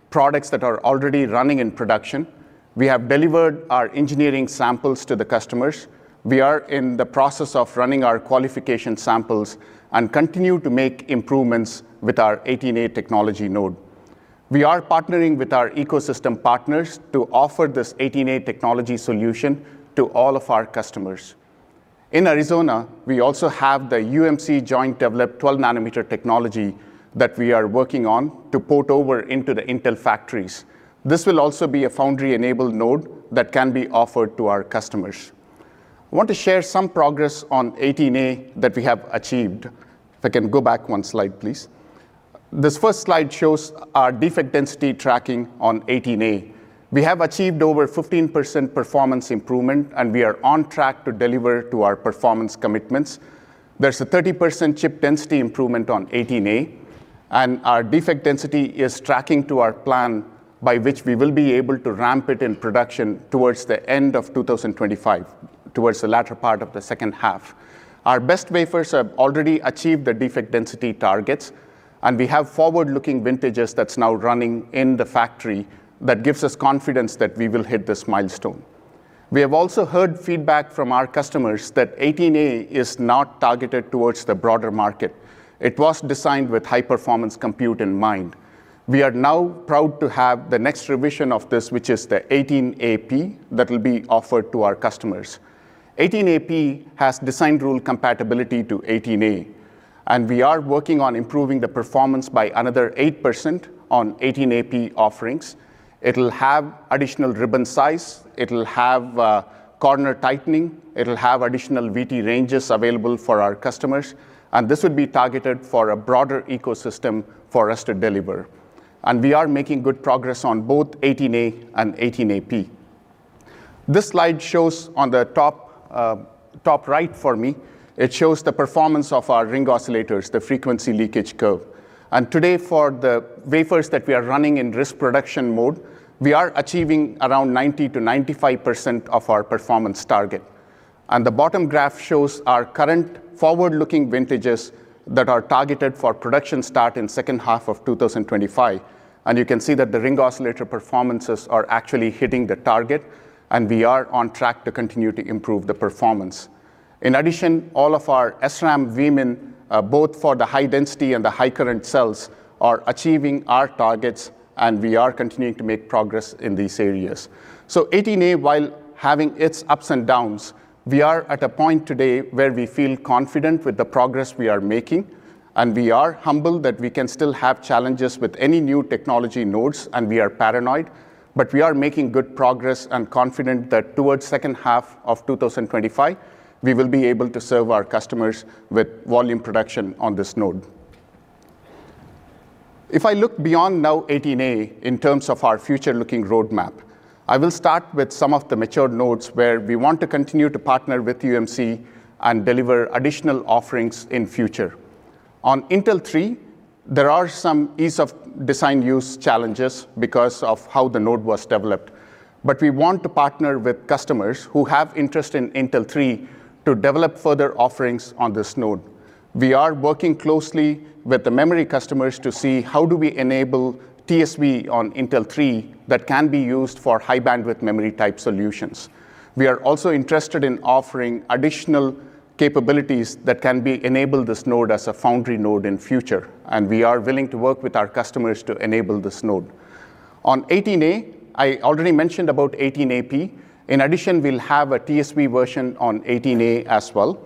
products that are already running in production. We have delivered our engineering samples to the customers. We are in the process of running our qualification samples and continue to make improvements with our 18A technology node. We are partnering with our ecosystem partners to offer this 18A technology solution to all of our customers. In Arizona, we also have the UMC joint-developed 12-nanometer technology that we are working on to port over into the Intel factories. This will also be a foundry-enabled node that can be offered to our customers. I want to share some progress on 18A that we have achieved. If I can go back one slide, please. This first slide shows our defect density tracking on 18A. We have achieved over 15% performance improvement, and we are on track to deliver to our performance commitments. There's a 30% chip density improvement on 18A, and our defect density is tracking to our plan by which we will be able to ramp it in production towards the end of 2025, towards the latter part of the second half. Our best wafers have already achieved the defect density targets. We have forward-looking vintages that's now running in the factory that gives us confidence that we will hit this milestone. We have also heard feedback from our customers that 18A is not targeted towards the broader market. It was designed with high-performance compute in mind. We are now proud to have the next revision of this, which is the 18A-P that will be offered to our customers. 18A-P has design rule compatibility to 18A. We are working on improving the performance by another 8% on 18A-P offerings. It'll have additional ribbon size. It'll have corner tightening. It'll have additional VT ranges available for our customers. This would be targeted for a broader ecosystem for us to deliver. We are making good progress on both 18A and 18A-P. This slide shows on the top right for me, it shows the performance of our ring oscillators, the frequency leakage curve, and today, for the wafers that we are running in risk production mode, we are achieving around 90%-95% of our performance target, and the bottom graph shows our current forward-looking vintages that are targeted for production start in the second half of 2025, and you can see that the ring oscillator performances are actually hitting the target, and we are on track to continue to improve the performance. In addition, all of our SRAM Vmin, both for the high-density and the high-current cells, are achieving our targets, and we are continuing to make progress in these areas so 18A, while having its ups and downs, we are at a point today where we feel confident with the progress we are making. We are humbled that we can still have challenges with any new technology nodes. We are paranoid. But we are making good progress and confident that towards the second half of 2025, we will be able to serve our customers with volume production on this node. If I look beyond our 18A in terms of our future-looking roadmap, I will start with some of the mature nodes where we want to continue to partner with UMC and deliver additional offerings in the future. On Intel 3, there are some ease-of-design use challenges because of how the node was developed. But we want to partner with customers who have interest in Intel 3 to develop further offerings on this node. We are working closely with the memory customers to see how do we enable TSV on Intel 3 that can be used for high-bandwidth memory type solutions. We are also interested in offering additional capabilities that can be enabled on this node as a foundry node in the future, and we are willing to work with our customers to enable this node. On 18A, I already mentioned about 18A-P. In addition, we'll have a TSV version on 18A as well,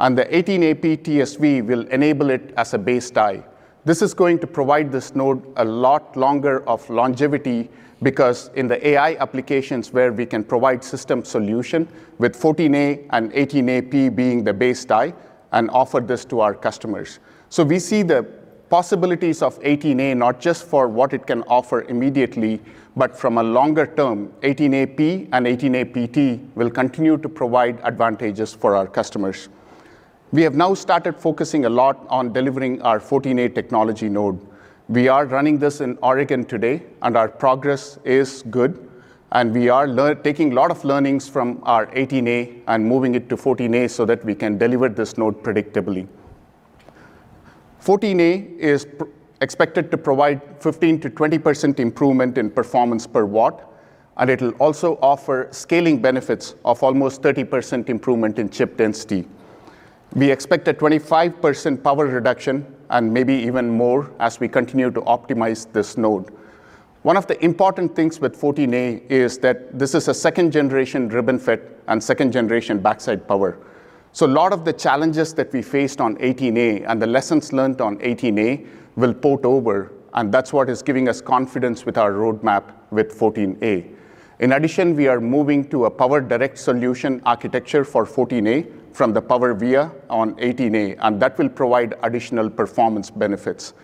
and the 18A-P TSV will enable it as a base die. This is going to provide this node a lot longer of longevity because in the AI applications where we can provide system solution with 14A and 18A-P being the base die and offer this to our customers, so we see the possibilities of 18A not just for what it can offer immediately, but from a longer term, 18A-P and 18A-PT will continue to provide advantages for our customers. We have now started focusing a lot on delivering our 14A technology node. We are running this in Oregon today. Our progress is good. We are taking a lot of learnings from our 18A and moving it to 14A so that we can deliver this node predictably. 14A is expected to provide 15%-20% improvement in performance per watt. It will also offer scaling benefits of almost 30% improvement in chip density. We expect a 25% power reduction and maybe even more as we continue to optimize this node. One of the important things with 14A is that this is a second-generation RibbonFET and second-generation backside power. A lot of the challenges that we faced on 18A and the lessons learned on 18A will port over. That is what is giving us confidence with our roadmap with 14A. In addition, we are moving to a power-direct solution architecture for 14A from the PowerVia on 18A. And that will provide additional performance benefits.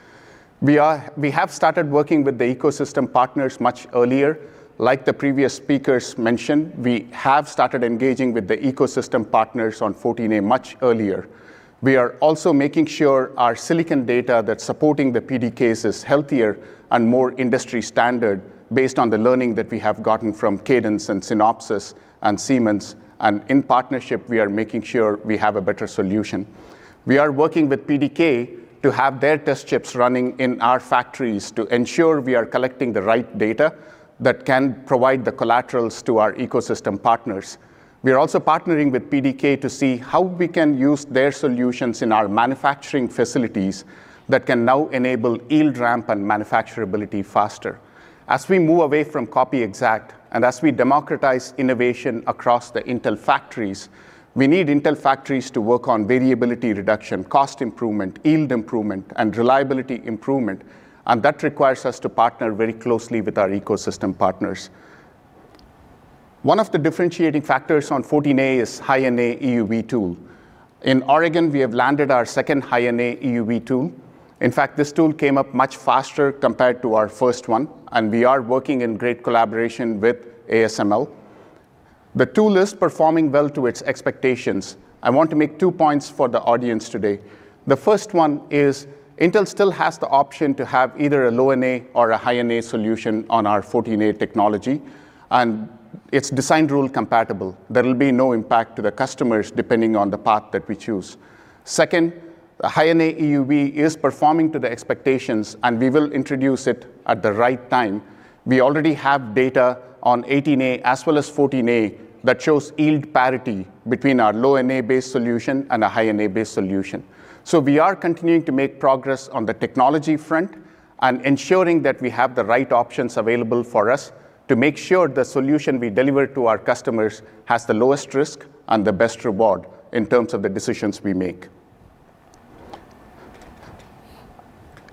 We have started working with the ecosystem partners much earlier. Like the previous speakers mentioned, we have started engaging with the ecosystem partners on 14A much earlier. We are also making sure our silicon data that's supporting the PDKs is healthier and more industry standard based on the learning that we have gotten from Cadence and Synopsys and Siemens. And in partnership, we are making sure we have a better solution. We are working with PDF Solutions to have their test chips running in our factories to ensure we are collecting the right data that can provide the collaterals to our ecosystem partners. We are also partnering with PDF Solutions to see how we can use their solutions in our manufacturing facilities that can now enable yield ramp and manufacturability faster. As we move away from copy-exact and as we democratize innovation across the Intel factories, we need Intel factories to work on variability reduction, cost improvement, yield improvement, and reliability improvement. And that requires us to partner very closely with our ecosystem partners. One of the differentiating factors on 14A is High-NA EUV tool. In Oregon, we have landed our second High-NA EUV tool. In fact, this tool came up much faster compared to our first one. And we are working in great collaboration with ASML. The tool is performing well to its expectations. I want to make two points for the audience today. The first one is Intel still has the option to have either a Low-NA or a High-NA solution on our 14A technology. And it's design rule compatible. There will be no impact to the customers depending on the path that we choose. Second, the High-NA EUV is performing to the expectations, and we will introduce it at the right time. We already have data on 18A as well as 14A that shows yield parity between our low-NA-based solution and a High-NA-based solution, so we are continuing to make progress on the technology front and ensuring that we have the right options available for us to make sure the solution we deliver to our customers has the lowest risk and the best reward in terms of the decisions we make.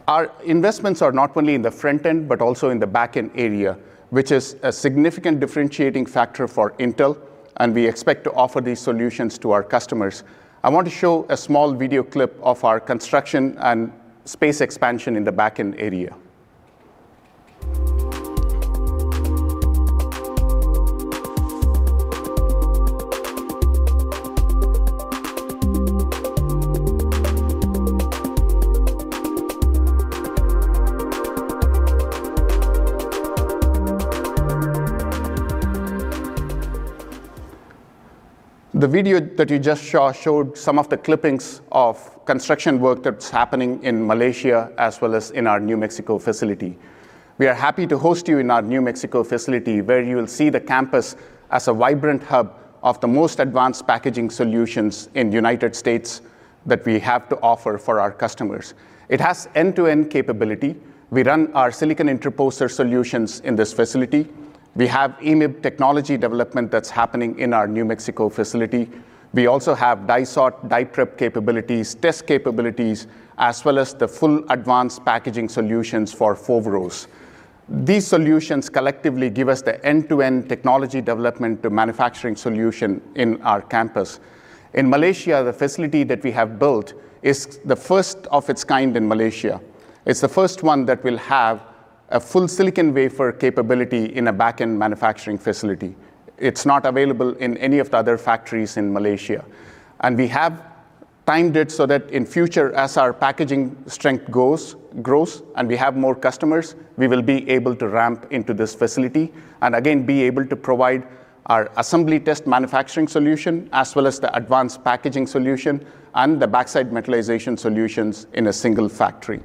Our investments are not only in the front end but also in the back end area, which is a significant differentiating factor for Intel, and we expect to offer these solutions to our customers. I want to show a small video clip of our construction and space expansion in the back end area. The video that you just saw showed some of the clips of construction work that's happening in Malaysia as well as in our New Mexico facility. We are happy to host you in our New Mexico facility where you will see the campus as a vibrant hub of the most advanced packaging solutions in the United States that we have to offer for our customers. It has end-to-end capability. We run our silicon interposer solutions in this facility. We have EMIB technology development that's happening in our New Mexico facility. We also have die sort, die prep capabilities, test capabilities, as well as the full advanced packaging solutions for Foveros. These solutions collectively give us the end-to-end technology development to manufacturing solution in our campus. In Malaysia, the facility that we have built is the first of its kind in Malaysia. It's the first one that will have a full silicon wafer capability in a back-end manufacturing facility. It's not available in any of the other factories in Malaysia. And we have timed it so that in future, as our packaging strength grows and we have more customers, we will be able to ramp into this facility and again be able to provide our assembly test manufacturing solution as well as the advanced packaging solution and the backside metallization solutions in a single factory.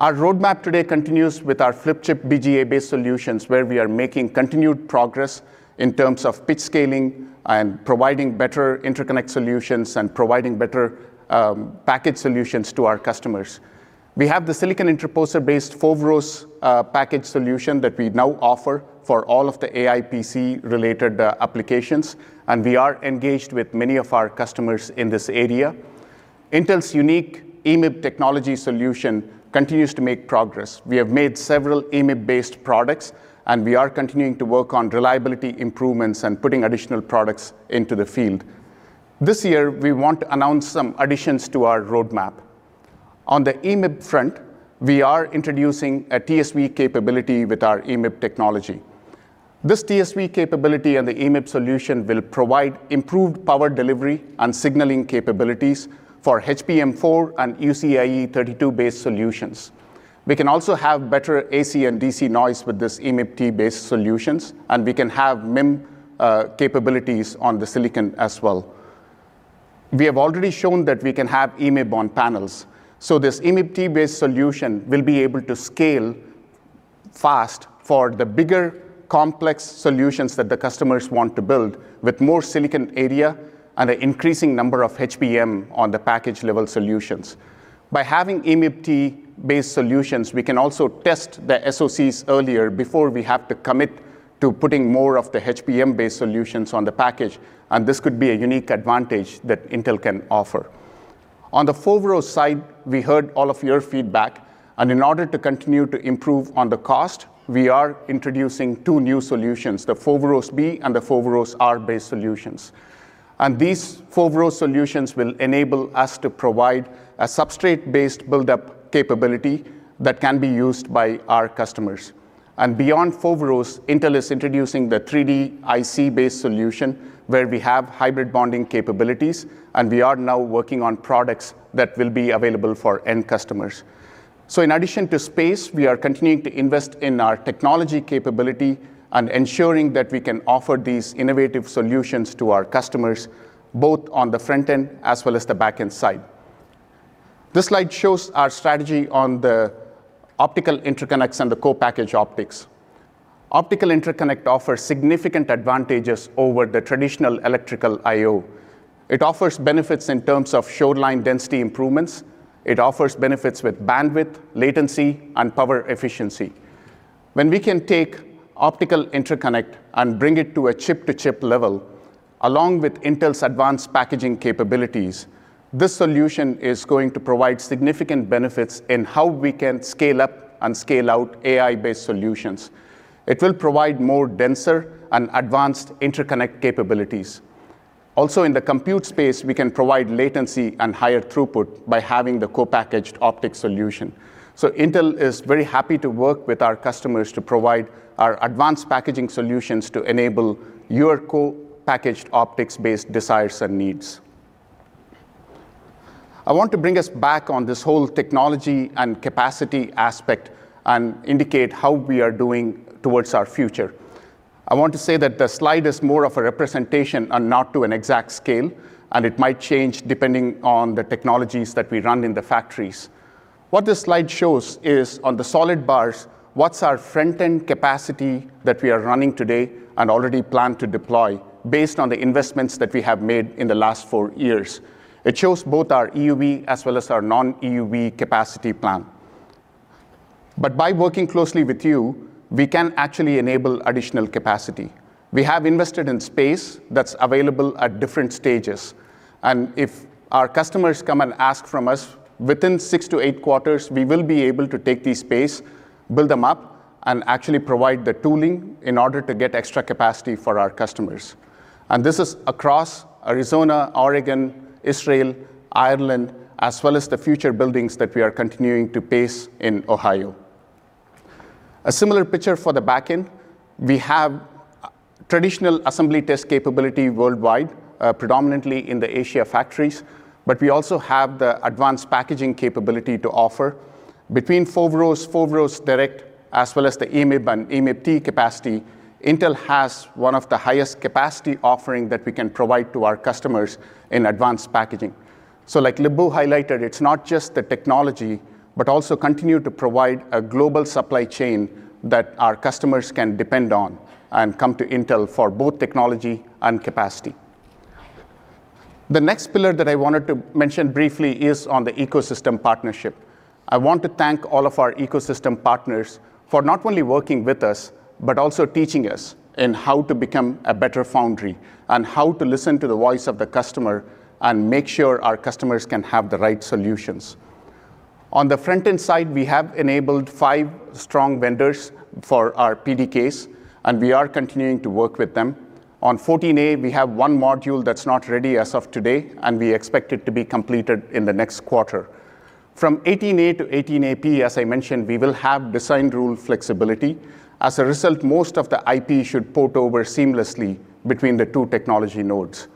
Our roadmap today continues with our Flip Chip BGA-based solutions where we are making continued progress in terms of pitch scaling and providing better interconnect solutions and providing better package solutions to our customers. We have the silicon interposer-based Foveros package solution that we now offer for all of the AI PC-related applications. And we are engaged with many of our customers in this area. Intel's unique EMIB technology solution continues to make progress. We have made several EMIB-based products, and we are continuing to work on reliability improvements and putting additional products into the field. This year, we want to announce some additions to our roadmap. On the EMIB front, we are introducing a TSV capability with our EMIB technology. This TSV capability and the EMIB solution will provide improved power delivery and signaling capabilities for HBM4 and UCIe 32-based solutions. We can also have better AC and DC noise with this EMIB-T-based solutions, and we can have MIM capabilities on the silicon as well. We have already shown that we can have EMIB on panels, so this EMIB-T-based solution will be able to scale fast for the bigger complex solutions that the customers want to build with more silicon area and an increasing number of HBM on the package-level solutions. By having EMIB-T-based solutions, we can also test the SoCs earlier before we have to commit to putting more of the HBM-based solutions on the package. And this could be a unique advantage that Intel can offer. On the Foveros side, we heard all of your feedback. And in order to continue to improve on the cost, we are introducing two new solutions, the Foveros-B and the Foveros-R-based solutions. And these Foveros solutions will enable us to provide a substrate-based buildup capability that can be used by our customers. And beyond Foveros, Intel is introducing the 3D IC-based solution where we have hybrid bonding capabilities. And we are now working on products that will be available for end customers. In addition to space, we are continuing to invest in our technology capability and ensuring that we can offer these innovative solutions to our customers both on the front end as well as the back end side. This slide shows our strategy on the optical interconnects and the co-packaged optics. Optical interconnect offers significant advantages over the traditional electrical IO. It offers benefits in terms of shoreline density improvements. It offers benefits with bandwidth, latency, and power efficiency. When we can take optical interconnect and bring it to a chip-to-chip level along with Intel's advanced packaging capabilities, this solution is going to provide significant benefits in how we can scale up and scale out AI-based solutions. It will provide more denser and advanced interconnect capabilities. Also, in the compute space, we can provide latency and higher throughput by having the co-packaged optics solution. So Intel is very happy to work with our customers to provide our advanced packaging solutions to enable your co-packaged optics-based desires and needs. I want to bring us back on this whole technology and capacity aspect and indicate how we are doing towards our future. I want to say that the slide is more of a representation and not to an exact scale. And it might change depending on the technologies that we run in the factories. What this slide shows is on the solid bars, what's our front-end capacity that we are running today and already planned to deploy based on the investments that we have made in the last four years. It shows both our EUV as well as our non-EUV capacity plan. But by working closely with you, we can actually enable additional capacity. We have invested in space that's available at different stages. If our customers come and ask from us, within six to eight quarters, we will be able to take these spaces, build them up, and actually provide the tooling in order to get extra capacity for our customers. This is across Arizona, Oregon, Israel, Ireland, as well as the future buildings that we are continuing to place in Ohio. A similar picture for the back end. We have traditional assembly test capability worldwide, predominantly in the Asian factories. We also have the advanced packaging capability to offer. Between Foveros, Foveros Direct, as well as the EMIB and EMIB-T capacity, Intel has one of the highest capacity offerings that we can provide to our customers in advanced packaging. So like Lip-Bu highlighted, it's not just the technology, but also continue to provide a global supply chain that our customers can depend on and come to Intel for both technology and capacity. The next pillar that I wanted to mention briefly is on the ecosystem partnership. I want to thank all of our ecosystem partners for not only working with us, but also teaching us in how to become a better foundry and how to listen to the voice of the customer and make sure our customers can have the right solutions. On the front-end side, we have enabled five strong vendors for our PDKs. And we are continuing to work with them. On 14A, we have one module that's not ready as of today. And we expect it to be completed in the next quarter. From 18A to 18A-P, as I mentioned, we will have design rule flexibility. As a result, most of the IP should port over seamlessly between the two technology nodes.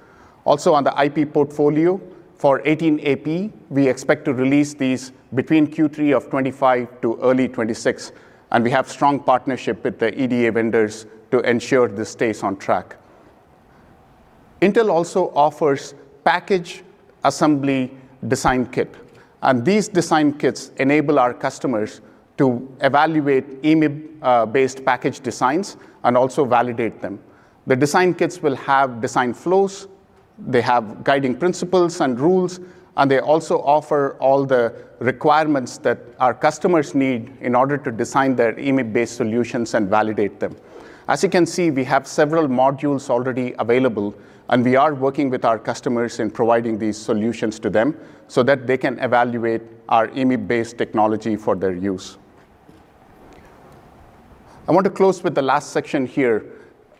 Also, on the IP portfolio for 18A-P, we expect to release these between Q3 of 2025 to early 2026, and we have strong partnership with the EDA vendors to ensure this stays on track. Intel also offers package assembly design kit, and these design kits enable our customers to evaluate EMIB-based package designs and also validate them. The design kits will have design flows. They have guiding principles and rules, and they also offer all the requirements that our customers need in order to design their EMIB-based solutions and validate them. As you can see, we have several modules already available, and we are working with our customers in providing these solutions to them so that they can evaluate our EMIB-based technology for their use. I want to close with the last section here.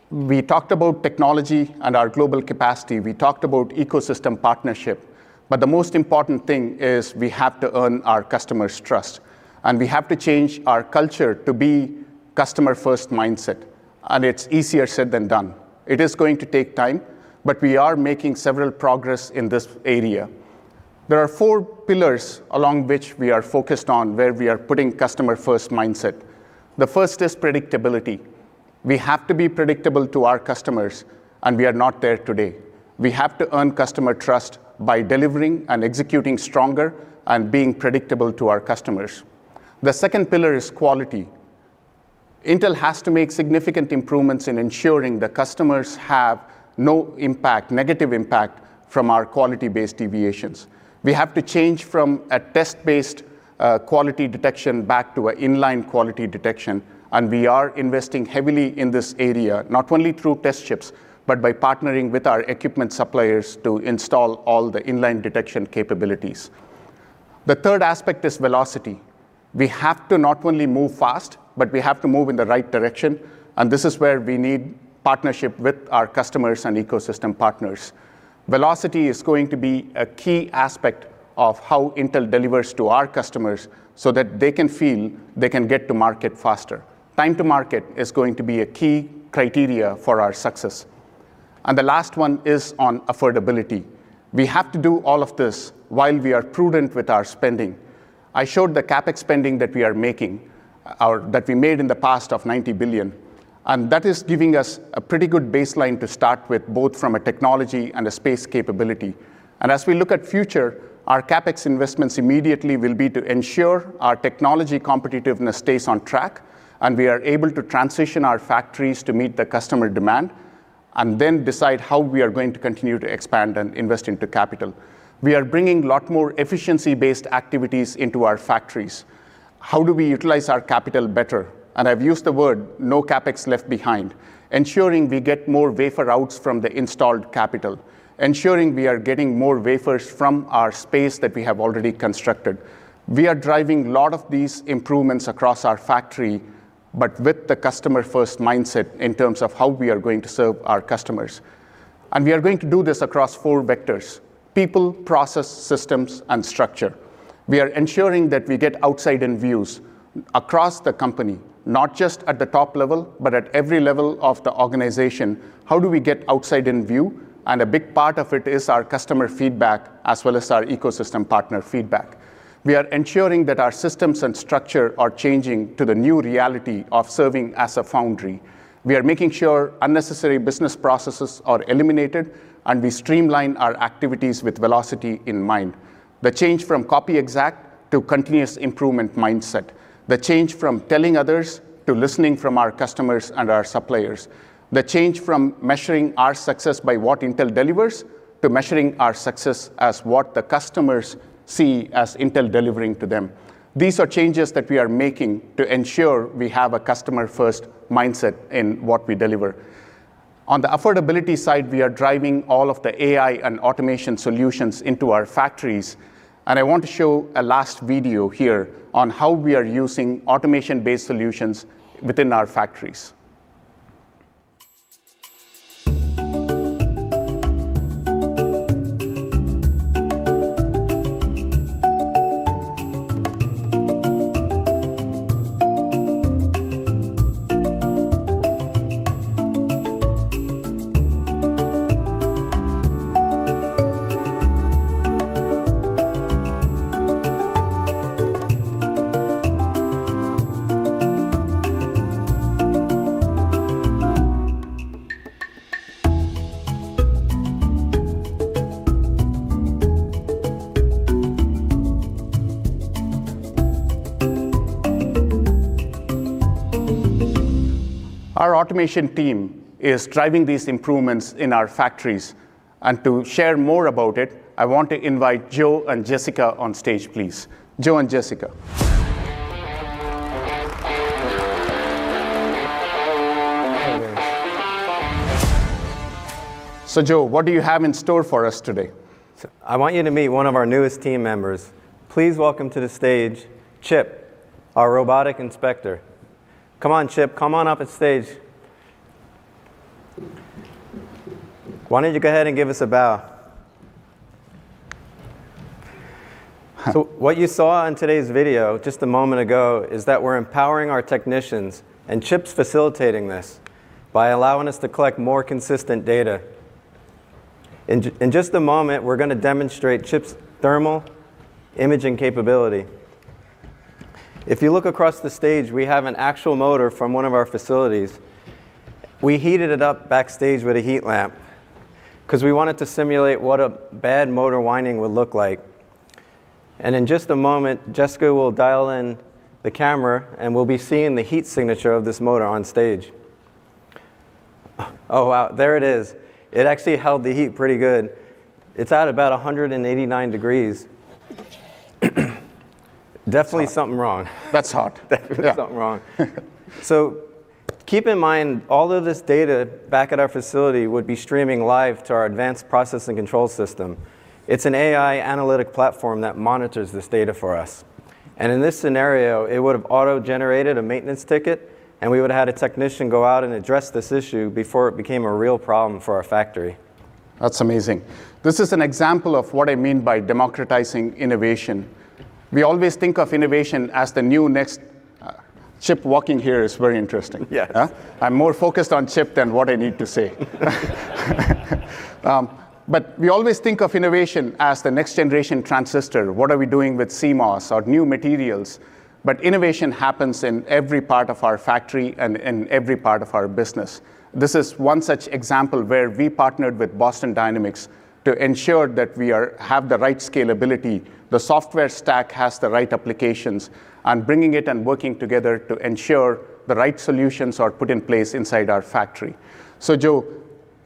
We talked about technology and our global capacity. We talked about ecosystem partnership. But the most important thing is we have to earn our customers' trust. And we have to change our culture to be customer-first mindset. And it's easier said than done. It is going to take time. But we are making several progress in this area. There are four pillars along which we are focused on where we are putting customer-first mindset. The first is predictability. We have to be predictable to our customers. And we are not there today. We have to earn customer trust by delivering and executing stronger and being predictable to our customers. The second pillar is quality. Intel has to make significant improvements in ensuring the customers have no impact, negative impact from our quality-based deviations. We have to change from a test-based quality detection back to an inline quality detection. We are investing heavily in this area, not only through test chips, but by partnering with our equipment suppliers to install all the inline detection capabilities. The third aspect is velocity. We have to not only move fast, but we have to move in the right direction. This is where we need partnership with our customers and ecosystem partners. Velocity is going to be a key aspect of how Intel delivers to our customers so that they can feel they can get to market faster. Time to market is going to be a key criteria for our success. The last one is on affordability. We have to do all of this while we are prudent with our spending. I showed the CapEx spending that we are making, that we made in the past of $90 billion. That is giving us a pretty good baseline to start with both from a technology and a space capability. As we look at the future, our CapEx investments immediately will be to ensure our technology competitiveness stays on track. We are able to transition our factories to meet the customer demand and then decide how we are going to continue to expand and invest into capital. We are bringing a lot more efficiency-based activities into our factories. How do we utilize our capital better? I've used the word no CapEx left behind, ensuring we get more wafer starts from the installed capital, ensuring we are getting more wafers from our space that we have already constructed. We are driving a lot of these improvements across our factory, but with the customer-first mindset in terms of how we are going to serve our customers. We are going to do this across four vectors: people, process, systems, and structure. We are ensuring that we get outside-in views across the company, not just at the top level, but at every level of the organization. How do we get outside-in view? A big part of it is our customer feedback as well as our ecosystem partner feedback. We are ensuring that our systems and structure are changing to the new reality of serving as a foundry. We are making sure unnecessary business processes are eliminated. We streamline our activities with velocity in mind. The change from copy exact to continuous improvement mindset. The change from telling others to listening from our customers and our suppliers. The change from measuring our success by what Intel delivers to measuring our success as what the customers see as Intel delivering to them. These are changes that we are making to ensure we have a customer-first mindset in what we deliver. On the affordability side, we are driving all of the AI and automation solutions into our factories. I want to show a last video here on how we are using automation-based solutions within our factories. Our automation team is driving these improvements in our factories. To share more about it, I want to invite Joe and Jessica on stage, please. Joe and Jessica. Joe, what do you have in store for us today? I want you to meet one of our newest team members. Please welcome to the stage Chip, our robotic inspector. Come on, Chip. Come on up the stage. Why don't you go ahead and give us a bow? What you saw on today's video just a moment ago is that we're empowering our technicians. Chip's facilitating this by allowing us to collect more consistent data. In just a moment, we're going to demonstrate Chip's thermal imaging capability. If you look across the stage, we have an actual motor from one of our facilities. We heated it up backstage with a heat lamp because we wanted to simulate what a bad motor winding would look like. In just a moment, Jessica will dial in the camera. We'll be seeing the heat signature of this motor on stage. Oh, wow. There it is. It actually held the heat pretty good. It's at about 189 degrees. Definitely something wrong. That's hot. Definitely something wrong. Keep in mind, all of this data back at our facility would be streaming live to our advanced processing control system. It's an AI analytic platform that monitors this data for us. In this scenario, it would have auto-generated a maintenance ticket. We would have had a technician go out and address this issue before it became a real problem for our factory. That's amazing. This is an example of what I mean by democratizing innovation. We always think of innovation as the new next Chip. Walking here is very interesting. Yeah, I'm more focused on Chip than what I need to say. We always think of innovation as the next generation transistor. What are we doing with CMOS or new materials? Innovation happens in every part of our factory and in every part of our business. This is one such example where we partnered with Boston Dynamics to ensure that we have the right scalability, the software stack has the right applications, and bringing it and working together to ensure the right solutions are put in place inside our factory. So Joe,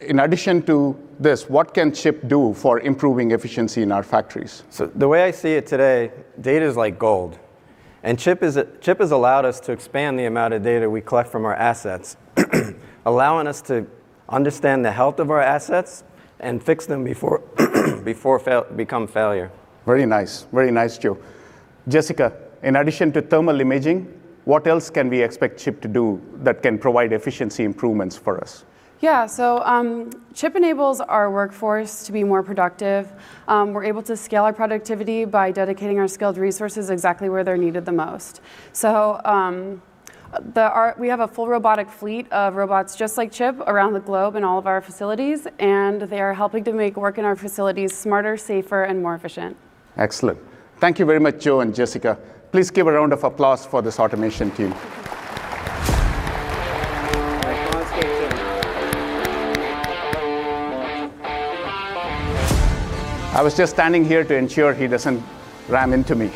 in addition to this, what can Chip do for improving efficiency in our factories? So the way I see it today, data is like gold. And Chip has allowed us to expand the amount of data we collect from our assets, allowing us to understand the health of our assets and fix them before they become failure. Very nice. Very nice, Joe. Jessica, in addition to thermal imaging, what else can we expect Chip to do that can provide efficiency improvements for us? Yeah. So Chip enables our workforce to be more productive. We're able to scale our productivity by dedicating our skilled resources exactly where they're needed the most. So we have a full robotic fleet of robots just like Chip around the globe in all of our facilities. And they are helping to make work in our facilities smarter, safer, and more efficient. Excellent. Thank you very much, Joe and Jessica. Please give a round of applause for this automation team. I was just standing here to ensure he doesn't ram into me.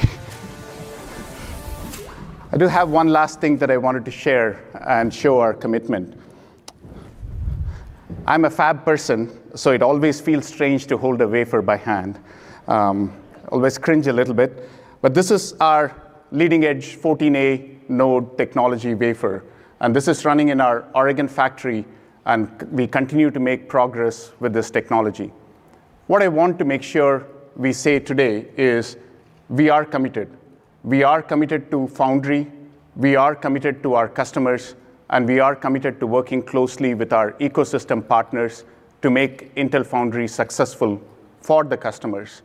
I do have one last thing that I wanted to share and show our commitment. I'm a fab person, so it always feels strange to hold a wafer by hand, always cringe a little bit. But this is our leading-edge 14A node technology wafer. And this is running in our Oregon factory. And we continue to make progress with this technology. What I want to make sure we say today is we are committed. We are committed to foundry. We are committed to our customers. And we are committed to working closely with our ecosystem partners to make Intel Foundry successful for the customers.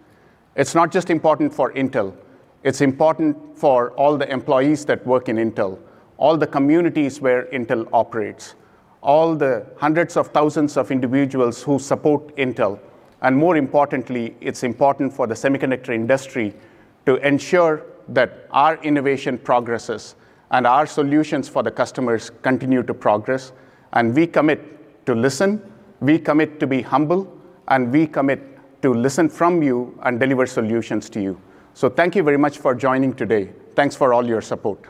It's not just important for Intel. It's important for all the employees that work in Intel, all the communities where Intel operates, all the hundreds of thousands of individuals who support Intel. And more importantly, it's important for the semiconductor industry to ensure that our innovation progresses and our solutions for the customers continue to progress. And we commit to listen. We commit to be humble. And we commit to listen from you and deliver solutions to you. So thank you very much for joining today. Thanks for all your support.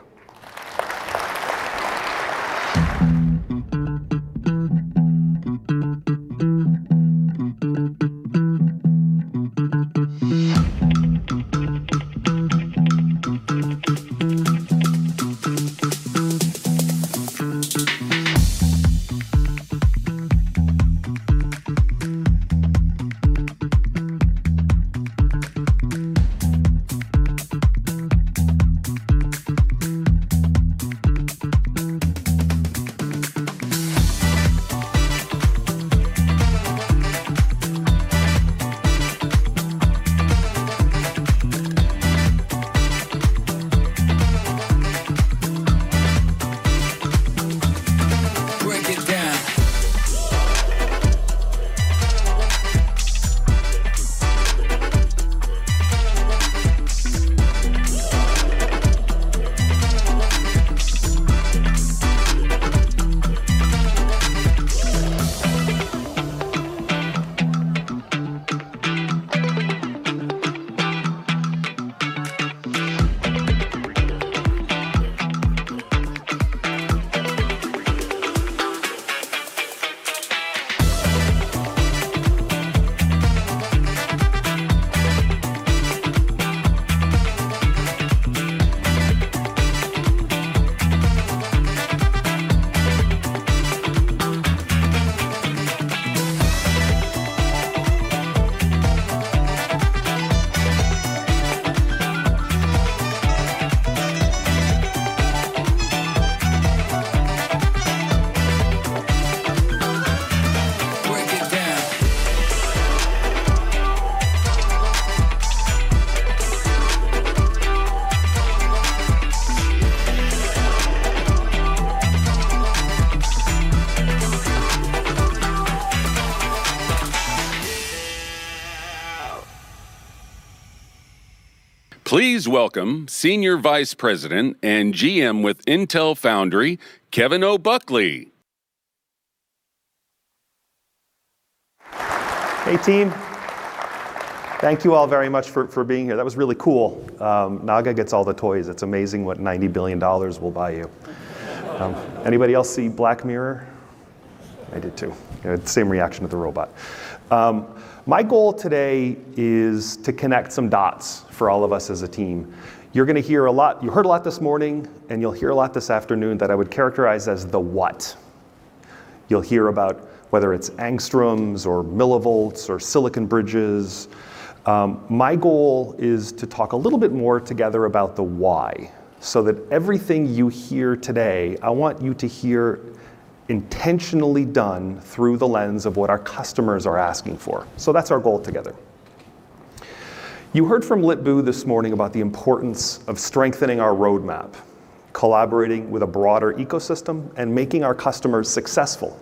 Please welcome Senior Vice President and GM with Intel Foundry, Kevin O'Buckley. Hey, Thank you all very much for being here. That was really cool. Naga gets all the toys. It's amazing what $90 billion will buy you. Anybody else see Black Mirror? I did too. Same reaction to the robot. My goal today is to connect some dots for all of us as a team. You're going to hear a lot. You heard a lot this morning, and you'll hear a lot this afternoon that I would characterize as the what. You'll hear about whether it's angstroms or millivolts or silicon bridges. My goal is to talk a little bit more together about the why so that everything you hear today, I want you to hear intentionally done through the lens of what our customers are asking for. So that's our goal together. You heard from Lip-Bu this morning about the importance of strengthening our roadmap, collaborating with a broader ecosystem, and making our customers successful.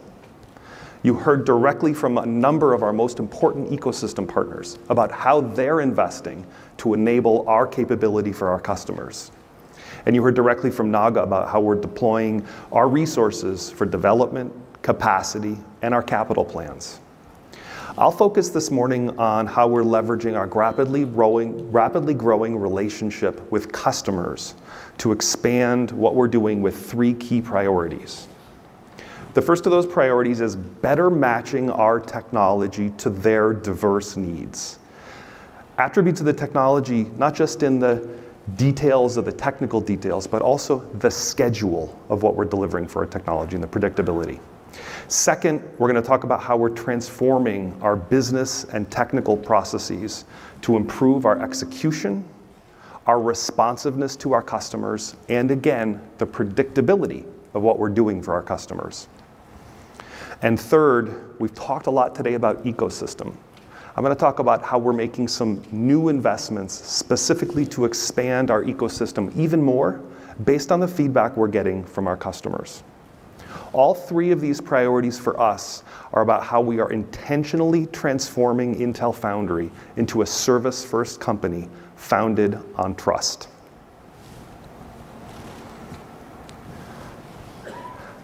You heard directly from a number of our most important ecosystem partners about how they're investing to enable our capability for our customers. And you heard directly from Naga about how we're deploying our resources for development, capacity, and our capital plans. I'll focus this morning on how we're leveraging our rapidly growing relationship with customers to expand what we're doing with three key priorities. The first of those priorities is better matching our technology to their diverse needs, attributes of the technology, not just in the details of the technical details, but also the schedule of what we're delivering for our technology and the predictability. Second, we're going to talk about how we're transforming our business and technical processes to improve our execution, our responsiveness to our customers, and again, the predictability of what we're doing for our customers, and third, we've talked a lot today about ecosystem. I'm going to talk about how we're making some new investments specifically to expand our ecosystem even more based on the feedback we're getting from our customers. All three of these priorities for us are about how we are intentionally transforming Intel Foundry into a service-first company founded on trust.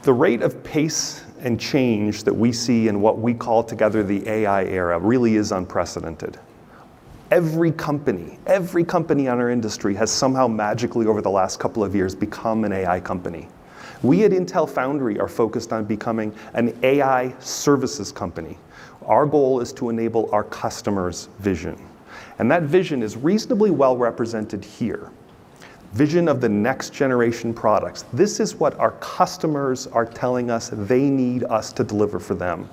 The rate of pace and change that we see in what we call together the AI era really is unprecedented. Every company, every company in our industry has somehow magically, over the last couple of years, become an AI company. We at Intel Foundry are focused on becoming an AI services company. Our goal is to enable our customers' vision, and that vision is reasonably well represented here, vision of the next generation products. This is what our customers are telling us they need us to deliver for them.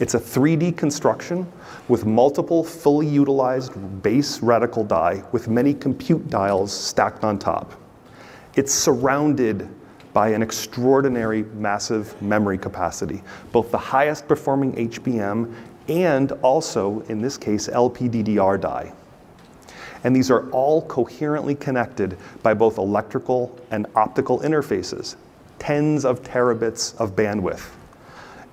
It's a 3D construction with multiple fully utilized base reticle die with many compute tiles stacked on top. It's surrounded by an extraordinary massive memory capacity, both the highest performing HBM and also, in this case, LPDDR die. And these are all coherently connected by both electrical and optical interfaces, tens of terabits of bandwidth,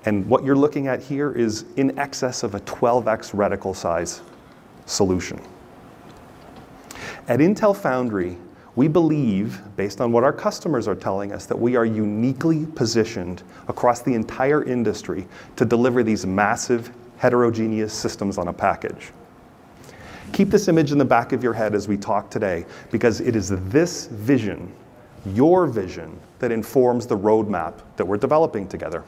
and what you're looking at here is in excess of a 12x reticle size solution. At Intel Foundry, we believe, based on what our customers are telling us, that we are uniquely positioned across the entire industry to deliver these massive heterogeneous systems on a package. Keep this image in the back of your head as we talk today because it is this vision, your vision, that informs the roadmap that we're developing together.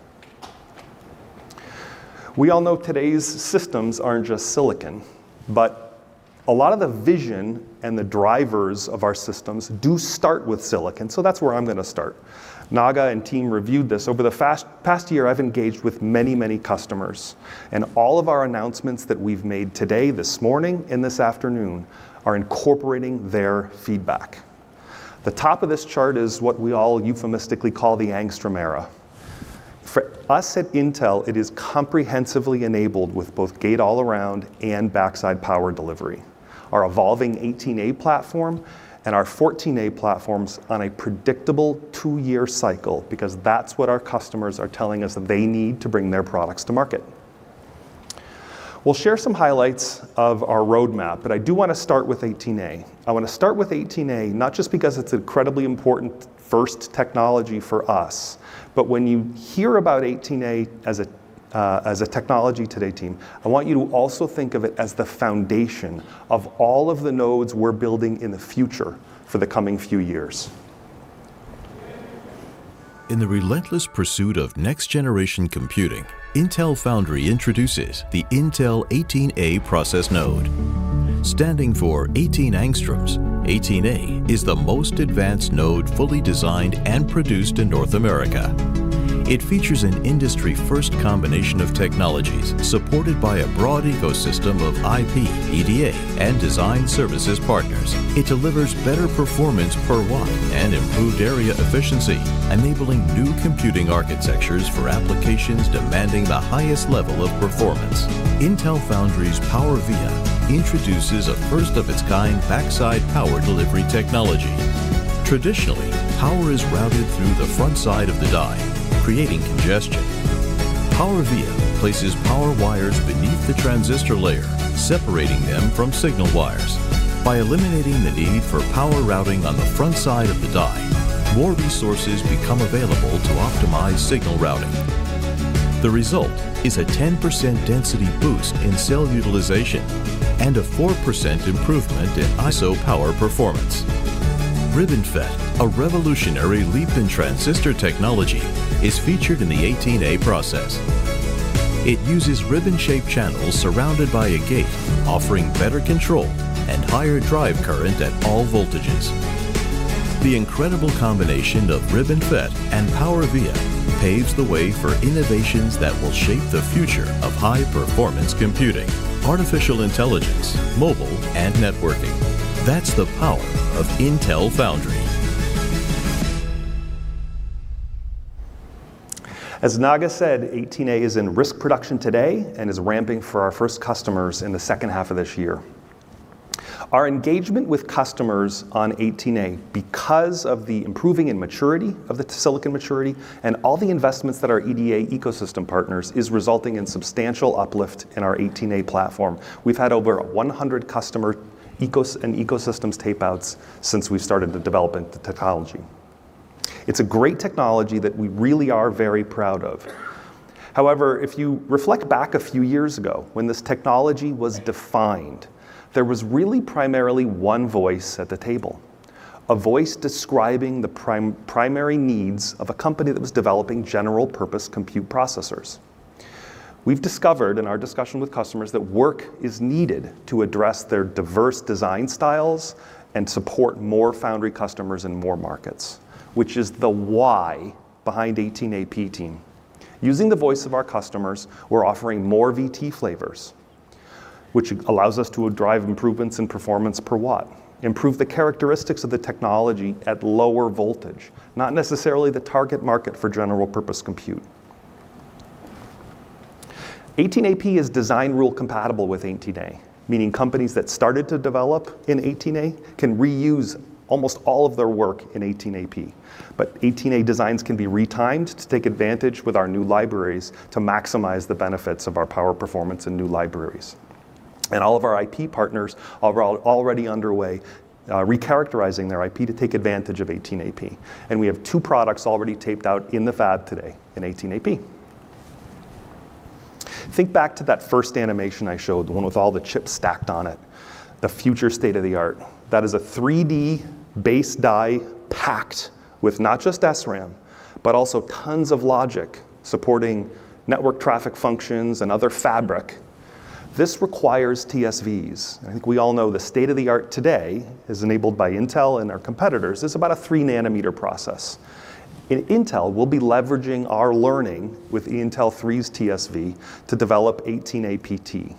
We all know today's systems aren't just silicon. But a lot of the vision and the drivers of our systems do start with silicon. So that's where I'm going to start. Naga and team reviewed this. Over the past year, I've engaged with many, many customers. And all of our announcements that we've made today, this morning, and this afternoon are incorporating their feedback. The top of this chart is what we all euphemistically call the Angstrom Era. For us at Intel, it is comprehensively enabled with both gate-all-around and backside power delivery, our evolving 18A platform, and our 14A platforms on a predictable two-year cycle because that's what our customers are telling us they need to bring their products to market. We'll share some highlights of our roadmap. But I do want to start with 18A. I want to start with 18A, not just because it's an incredibly important first technology for us. But when you hear about 18A as a technology today, team, I want you to also think of it as the foundation of all of the nodes we're building in the future for the coming few years. In the relentless pursuit of next generation computing, Intel Foundry introduces the Intel 18A process node. Standing for 18 angstroms, 18A is the most advanced node fully designed and produced in North America. It features an industry-first combination of technologies supported by a broad ecosystem of IP, EDA, and design services partners. It delivers better performance per watt and improved area efficiency, enabling new computing architectures for applications demanding the highest level of performance. Intel Foundry's PowerVia introduces a first-of-its-kind backside power delivery technology. Traditionally, power is routed through the front side of the die, creating congestion. PowerVia places power wires beneath the transistor layer, separating them from signal wires. By eliminating the need for power routing on the front side of the die, more resources become available to optimize signal routing. The result is a 10% density boost in cell utilization and a 4% improvement in iso-power performance. RibbonFET, a revolutionary leap in transistor technology, is featured in the 18A process. It uses ribbon-shaped channels surrounded by a gate, offering better control and higher drive current at all voltages. The incredible combination of RibbonFET and PowerVia paves the way for innovations that will shape the future of high-performance computing, artificial intelligence, mobile, and networking. That's the power of Intel Foundry. As Naga said, 18A is in risk production today and is ramping for our first customers in the second half of this year. Our engagement with customers on 18A, because of the improving and maturity of the silicon and all the investments that our EDA ecosystem partners is resulting in substantial uplift in our 18A platform. We've had over 100 customer and ecosystems tapeouts since we've started to develop the technology. It's a great technology that we really are very proud of. However, if you reflect back a few years ago when this technology was defined, there was really primarily one voice at the table, a voice describing the primary needs of a company that was developing general-purpose compute processors. We've discovered in our discussion with customers that work is needed to address their diverse design styles and support more Foundry customers in more markets, which is the why behind 18A-P, team. Using the voice of our customers, we're offering more VT flavors, which allows us to drive improvements in performance per watt, improve the characteristics of the technology at lower voltage, not necessarily the target market for general-purpose compute. 18A-P is design rule compatible with 18A, meaning companies that started to develop in 18A can reuse almost all of their work in 18A-P. But 18A designs can be retimed to take advantage with our new libraries to maximize the benefits of our power performance in new libraries. And all of our IP partners are already underway re-characterizing their IP to take advantage of 18A-P. And we have two products already taped out in the fab today in 18A-P. Think back to that first animation I showed, the one with all the chips stacked on it, the future state of the art. That is a 3D base die packed with not just SRAM, but also tons of logic supporting network traffic functions and other fabric. This requires TSVs. I think we all know the state of the art today is enabled by Intel and our competitors. It's about a three-nanometer process. Intel will be leveraging our learning with Intel 3's TSV to develop 18A-PT.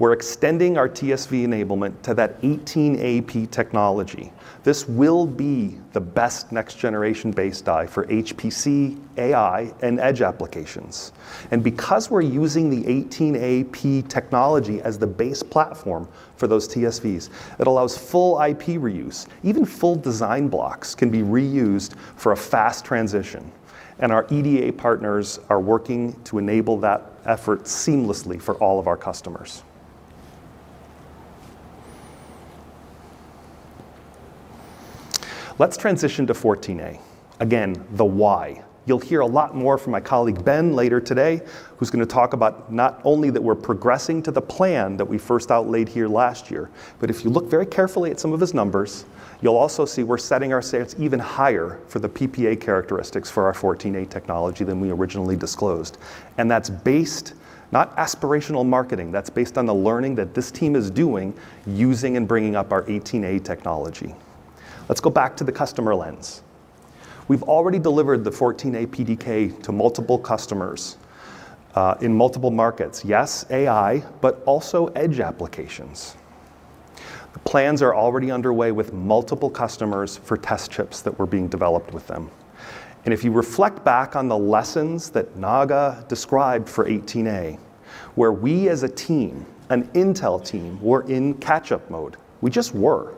We're extending our TSV enablement to that 18A-P technology. This will be the best next-generation base die for HPC, AI, and edge applications. And because we're using the 18A-P technology as the base platform for those TSVs, it allows full IP reuse. Even full design blocks can be reused for a fast transition. And our EDA partners are working to enable that effort seamlessly for all of our customers. Let's transition to 14A. Again, the why. You'll hear a lot more from my colleague Ben later today, who's going to talk about not only that we're progressing to the plan that we first laid out here last year, but if you look very carefully at some of his numbers, you'll also see we're setting our sails even higher for the PPA characteristics for our 14A technology than we originally disclosed. And that's based, not aspirational marketing. That's based on the learning that this team is doing using and bringing up our 18A technology. Let's go back to the customer lens. We've already delivered the 14A PDK to multiple customers in multiple markets. Yes, AI, but also edge applications. The plans are already underway with multiple customers for test chips that were being developed with them. And if you reflect back on the lessons that Naga described for 18A, where we as a team, an Intel team, were in catch-up mode, we just were.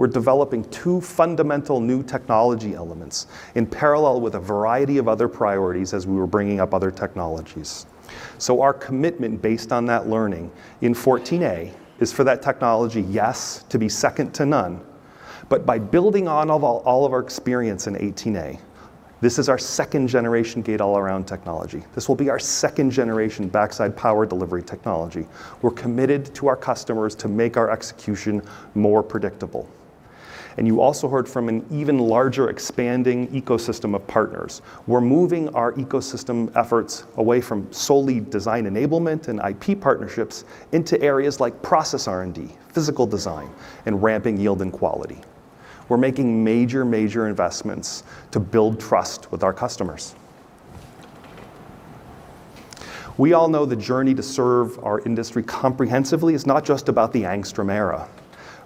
We're developing two fundamental new technology elements in parallel with a variety of other priorities as we were bringing up other technologies. Our commitment based on that learning in 14A is for that technology, yes, to be second to none, but by building on all of our experience in 18A, this is our second-generation gate-all-around technology. This will be our second-generation backside power delivery technology. We're committed to our customers to make our execution more predictable. And you also heard from an even larger expanding ecosystem of partners. We're moving our ecosystem efforts away from solely design enablement and IP partnerships into areas like process R&D, physical design, and ramping yield and quality. We're making major, major investments to build trust with our customers. We all know the journey to serve our industry comprehensively is not just about the Angstrom Era.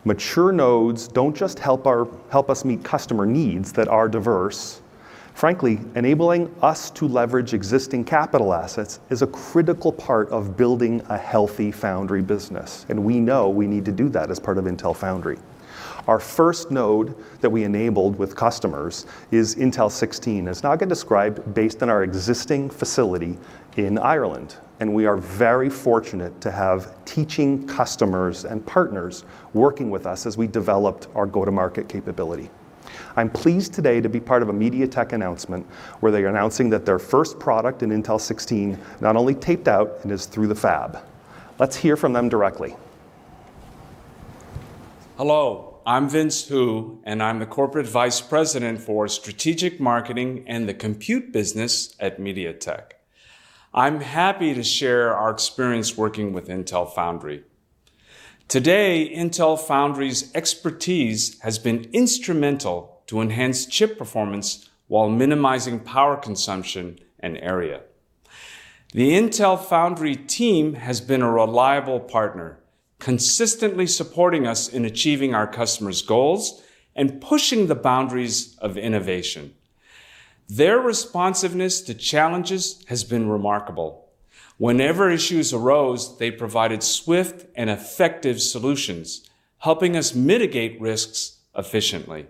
Mature nodes don't just help us meet customer needs that are diverse. Frankly, enabling us to leverage existing capital assets is a critical part of building a healthy Foundry business. And we know we need to do that as part of Intel Foundry. Our first node that we enabled with customers is Intel 16. It's now been described based on our existing facility in Ireland. We are very fortunate to have teaching customers and partners working with us as we developed our go-to-market capability. I'm pleased today to be part of a MediaTek announcement where they're announcing that their first product in Intel 16 not only taped out and is through the fab. Let's hear from them directly. Hello. I'm Vince Hu, and I'm the Corporate Vice President for Strategic Marketing and the Compute Business at MediaTek. I'm happy to share our experience working with Intel Foundry. Today, Intel Foundry's expertise has been instrumental to enhance chip performance while minimizing power consumption and area. The Intel Foundry team has been a reliable partner, consistently supporting us in achieving our customers' goals and pushing the boundaries of innovation. Their responsiveness to challenges has been remarkable. Whenever issues arose, they provided swift and effective solutions, helping us mitigate risks efficiently.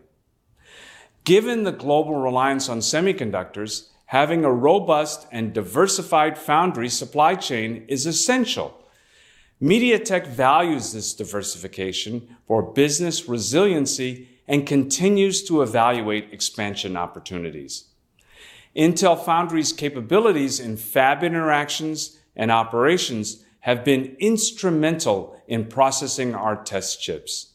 Given the global reliance on semiconductors, having a robust and diversified Foundry supply chain is essential. MediaTek values this diversification for business resiliency and continues to evaluate expansion opportunities. Intel Foundry's capabilities in fab interactions and operations have been instrumental in processing our test chips.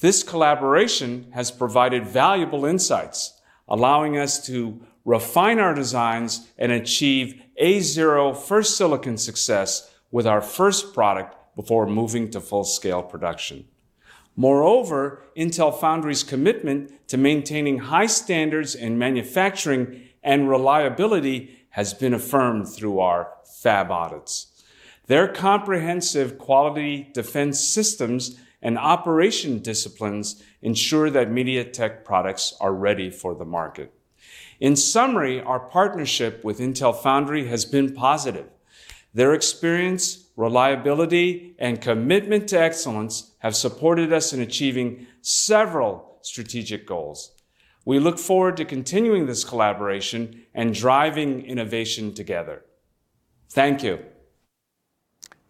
This collaboration has provided valuable insights, allowing us to refine our designs and achieve A0 first silicon success with our first product before moving to full-scale production. Moreover, Intel Foundry's commitment to maintaining high standards in manufacturing and reliability has been affirmed through our fab audits. Their comprehensive quality defense systems and operation disciplines ensure that MediaTek products are ready for the market. In summary, our partnership with Intel Foundry has been positive. Their experience, reliability, and commitment to excellence have supported us in achieving several strategic goals. We look forward to continuing this collaboration and driving innovation together. Thank you.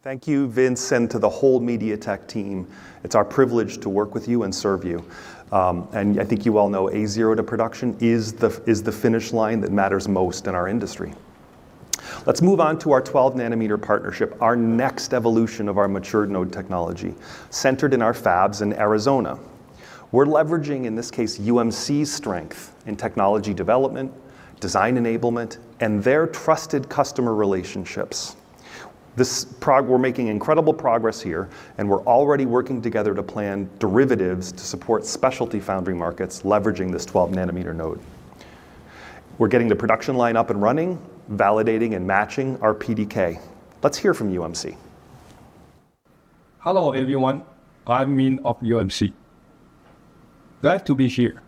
Thank you, Vince, and to the whole MediaTek team. It's our privilege to work with you and serve you, and I think you all know A0 to production is the finish line that matters most in our industry. Let's move on to our 12-nanometer partnership, our next evolution of our mature node technology centered in our fabs in Arizona. We're leveraging, in this case, UMC's strength in technology development, design enablement, and their trusted customer relationships. We're making incredible progress here, and we're already working together to plan derivatives to support specialty Foundry markets leveraging this 12-nanometer node. We're getting the production line up and running, validating, and matching our PDK. Let's hear from UMC. Hello, everyone. I'm Min of UMC. Glad to be here.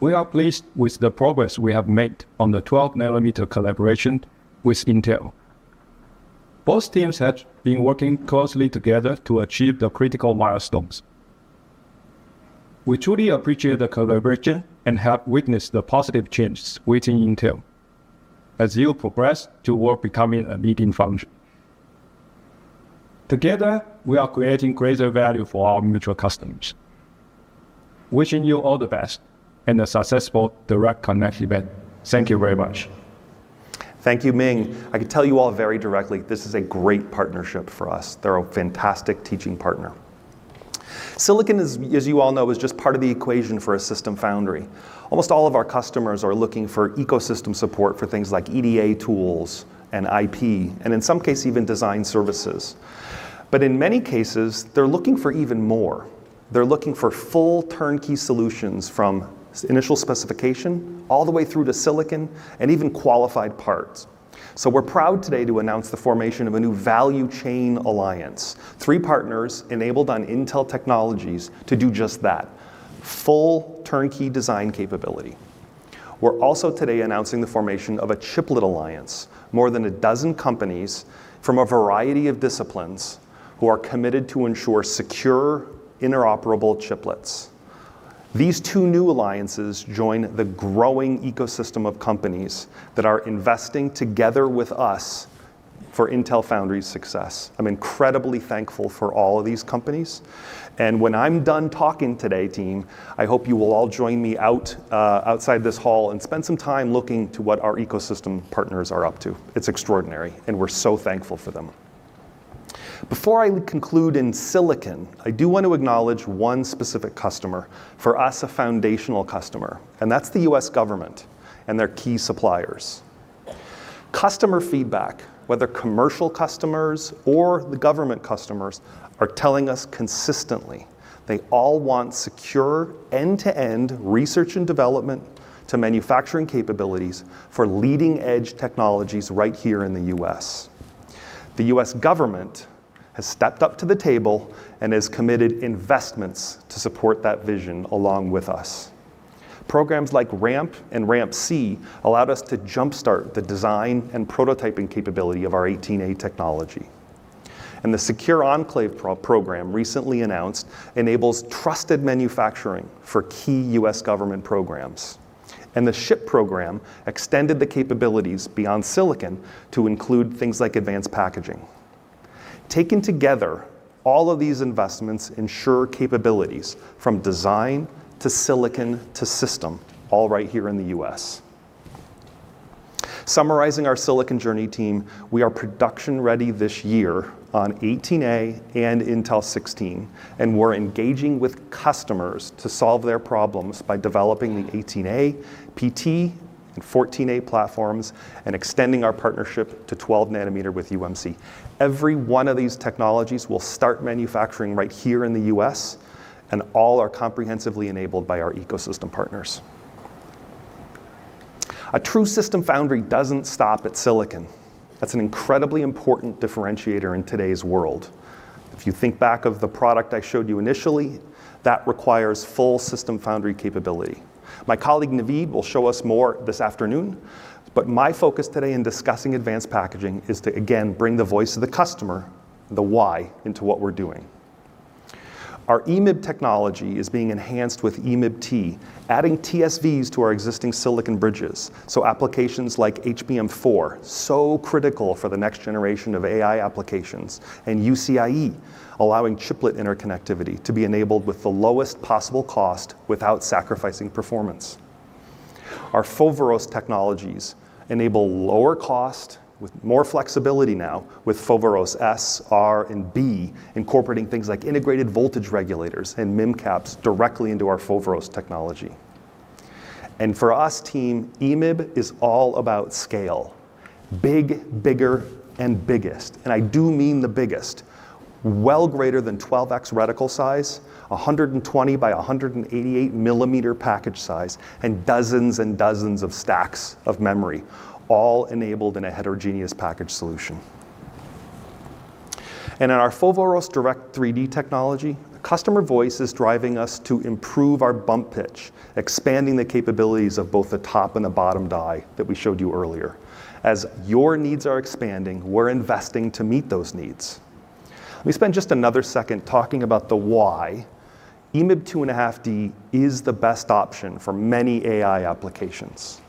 We are pleased with the progress we have made on the 12-nm collaboration with Intel. Both teams have been working closely together to achieve the critical milestones. We truly appreciate the collaboration and have witnessed the positive changes within Intel as you progress toward becoming a leading foundry. Together, we are creating greater value for our mutual customers. Wishing you all the best and a successful Direct Connect event. Thank you very much. Thank you, Min. I can tell you all very directly, this is a great partnership for us. They're a fantastic teaching partner. Silicon, as you all know, is just part of the equation for a system foundry. Almost all of our customers are looking for ecosystem support for things like EDA tools and IP, and in some cases, even design services. But in many cases, they're looking for even more. They're looking for full turnkey solutions from initial specification all the way through to silicon and even qualified parts. We're proud today to announce the formation of a new Value Chain Alliance, three partners enabled on Intel technologies to do just that: full turnkey design capability. We're also today announcing the formation of a Chiplet Alliance, more than a dozen companies from a variety of disciplines who are committed to ensure secure, interoperable chiplets. These two new alliances join the growing ecosystem of companies that are investing together with us for Intel Foundry's success. I'm incredibly thankful for all of these companies. And when I'm done talking today, team, I hope you will all join me outside this hall and spend some time looking to what our ecosystem partners are up to. It's extraordinary, and we're so thankful for them. Before I conclude in silicon, I do want to acknowledge one specific customer for us, a foundational customer, and that's the U.S. government and their key suppliers. Customer feedback, whether commercial customers or the government customers, are telling us consistently they all want secure end-to-end research and development to manufacturing capabilities for leading-edge technologies right here in the U.S. The U.S. government has stepped up to the table and has committed investments to support that vision along with us. Programs like RAMP and RAMP-C allowed us to jumpstart the design and prototyping capability of our 18A technology, and the Secure Enclave program recently announced enables trusted manufacturing for key U.S. government programs, and the SHIP program extended the capabilities beyond silicon to include things like advanced packaging. Taken together, all of these investments ensure capabilities from design to silicon to system, all right here in the U.S. Summarizing our silicon journey, team, we are production ready this year on 18A and Intel 16, and we're engaging with customers to solve their problems by developing the 18A, 18A-P, and 14A platforms and extending our partnership to 12-nanometer with UMC. Every one of these technologies will start manufacturing right here in the U.S. and all are comprehensively enabled by our ecosystem partners. A true system foundry doesn't stop at silicon. That's an incredibly important differentiator in today's world. If you think back of the product I showed you initially, that requires full system foundry capability. My colleague Navid will show us more this afternoon, but my focus today in discussing advanced packaging is to, again, bring the voice of the customer, the why, into what we're doing. Our EMIB technology is being enhanced with EMIB-T, adding TSVs to our existing silicon bridges. Applications like HBM4, so critical for the next generation of AI applications, and UCIe, allowing chiplet interconnectivity to be enabled with the lowest possible cost without sacrificing performance. Our Foveros technologies enable lower cost with more flexibility now with Foveros-S, Foveros-R, and Foveros-B, incorporating things like integrated voltage regulators and MIM caps directly into our Foveros technology. And for us, team, EMIB is all about scale. Big, bigger, and biggest. And I do mean the biggest. Well greater than 12x reticle size, 120 by 188 millimeter package size, and dozens and dozens of stacks of memory, all enabled in a heterogeneous package solution. In our Foveros Direct 3D technology, the customer voice is driving us to improve our bump pitch, expanding the capabilities of both the top and the bottom die that we showed you earlier. As your needs are expanding, we're investing to meet those needs. Let me spend just another second talking about the why. EMIB 2.5D is the best option for many AI applications.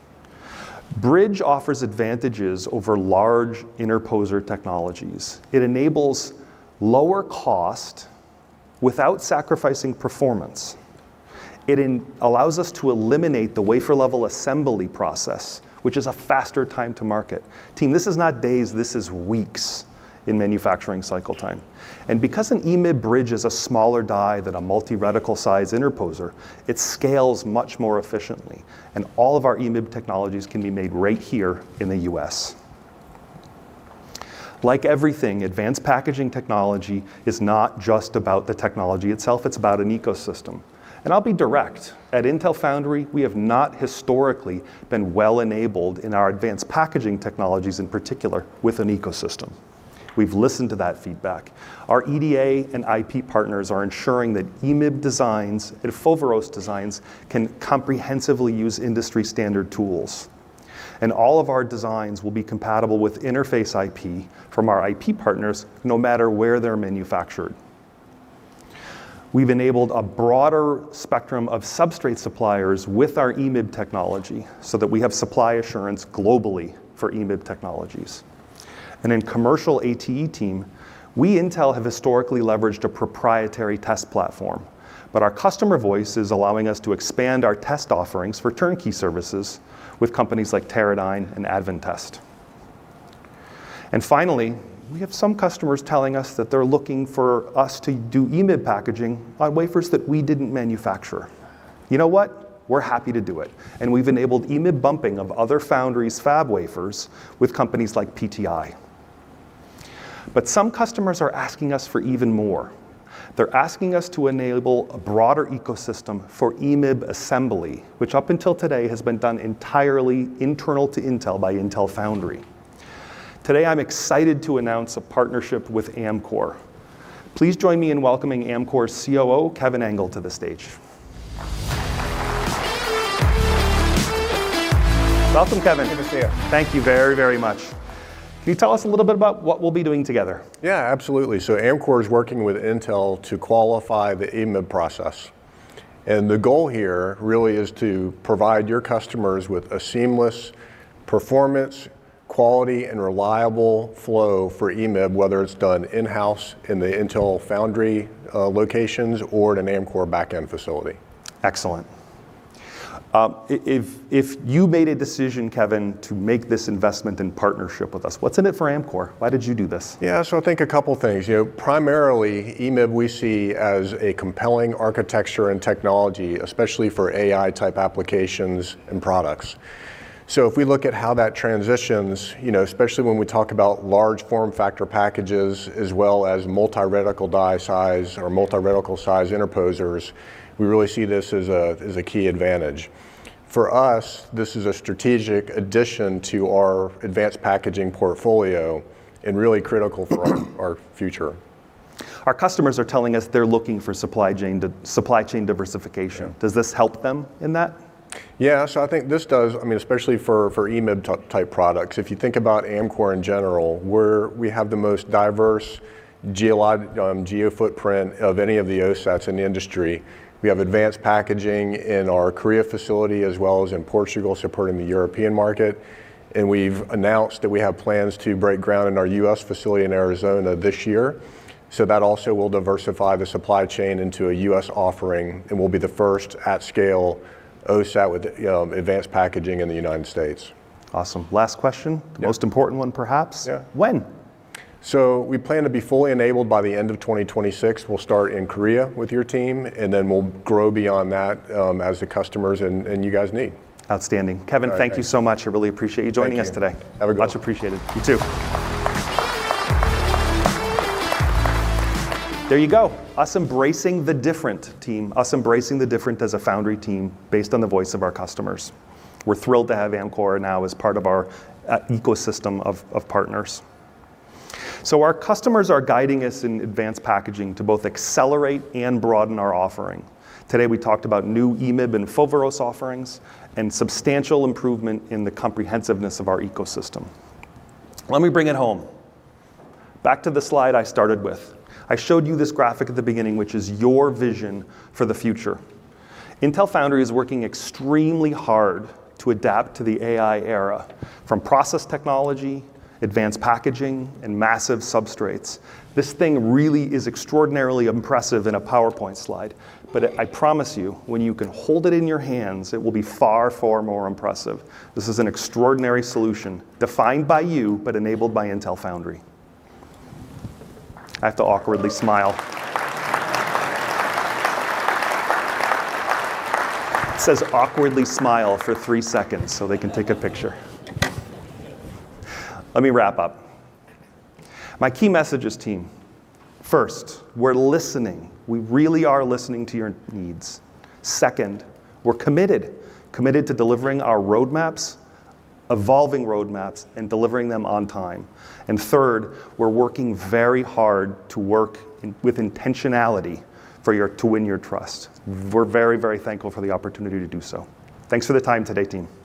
Bridge offers advantages over large interposer technologies. It enables lower cost without sacrificing performance. It allows us to eliminate the wafer-level assembly process, which is a faster time to market. Team, this is not days. This is weeks in manufacturing cycle time. And because an EMIB bridge is a smaller die than a multi-reticle size interposer, it scales much more efficiently. And all of our EMIB technologies can be made right here in the U.S. Like everything, advanced packaging technology is not just about the technology itself. It's about an ecosystem. And I'll be direct. At Intel Foundry, we have not historically been well enabled in our advanced packaging technologies in particular with an ecosystem. We've listened to that feedback. Our EDA and IP partners are ensuring that EMIB designs and Foveros designs can comprehensively use industry-standard tools. And all of our designs will be compatible with interface IP from our IP partners no matter where they're manufactured. We've enabled a broader spectrum of substrate suppliers with our EMIB technology so that we have supply assurance globally for EMIB technologies. And in commercial ATE team, we at Intel have historically leveraged a proprietary test platform, but our customer voice is allowing us to expand our test offerings for turnkey services with companies like Teradyne and Advantest. And finally, we have some customers telling us that they're looking for us to do EMIB packaging on wafers that we didn't manufacture. You know what? We're happy to do it. And we've enabled EMIB bumping of other foundries' fab wafers with companies like PTI. But some customers are asking us for even more. They're asking us to enable a broader ecosystem for EMIB assembly, which up until today has been done entirely internal to Intel by Intel Foundry. Today, I'm excited to announce a partnership with Amkor. Please join me in welcoming Amkor's COO, Kevin Engel, to the stage. Welcome, Kevin. Good to see you. Thank you very, very much. Can you tell us a little bit about what we'll be doing together? Yeah, absolutely. So Amkor is working with Intel to qualify the EMIB process. And the goal here really is to provide your customers with a seamless performance, quality, and reliable flow for EMIB, whether it's done in-house in the Intel Foundry locations or at an Amkor backend facility. Excellent. If you made a decision, Kevin, to make this investment in partnership with us, what's in it for Amkor? Why did you do this? Yeah, so I think a couple of things. Primarily, EMIB we see as a compelling architecture and technology, especially for AI-type applications and products. So if we look at how that transitions, especially when we talk about large form factor packages as well as multi-reticle die size or multi-reticle size interposers, we really see this as a key advantage. For us, this is a strategic addition to our advanced packaging portfolio and really critical for our future. Our customers are telling us they're looking for supply chain diversification. Does this help them in that? Yeah, so I think this does, I mean, especially for EMIB-type products. If you think about Amkor in general, we have the most diverse geofootprint of any of the OSATs in the industry. We have advanced packaging in our Korea facility as well as in Portugal supporting the European market. We've announced that we have plans to break ground in our U.S. facility in Arizona this year. So that also will diversify the supply chain into a U.S. offering and will be the first at-scale OSAT with advanced packaging in the United States. Awesome. Last question, the most important one perhaps. When? So we plan to be fully enabled by the end of 2026. We'll start in Korea with your team, and then we'll grow beyond that as the customers and you guys need. Outstanding. Kevin, thank you so much. I really appreciate you joining us today. Have a good one. Much appreciated. You too. There you go. Us embracing the different, team. Us embracing the different as a foundry team based on the voice of our customers. We're thrilled to have Amkor now as part of our ecosystem of partners. So our customers are guiding us in advanced packaging to both accelerate and broaden our offering. Today, we talked about new EMIB and Foveros offerings and substantial improvement in the comprehensiveness of our ecosystem. Let me bring it home. Back to the slide I started with. I showed you this graphic at the beginning, which is your vision for the future. Intel Foundry is working extremely hard to adapt to the AI era from process technology, advanced packaging, and massive substrates. This thing really is extraordinarily impressive in a PowerPoint slide, but I promise you, when you can hold it in your hands, it will be far, far more impressive. This is an extraordinary solution defined by you, but enabled by Intel Foundry. I have to awkwardly smile. It says awkwardly smile for three seconds so they can take a picture. Let me wrap up. My key message is, team, first, we're listening. We really are listening to your needs. Second, we're committed, committed to delivering our roadmaps, evolving roadmaps, and delivering them on time. And third, we're working very hard to work with intentionality to win your trust. We're very, very thankful for the opportunity to do so. Thanks for the time today, team.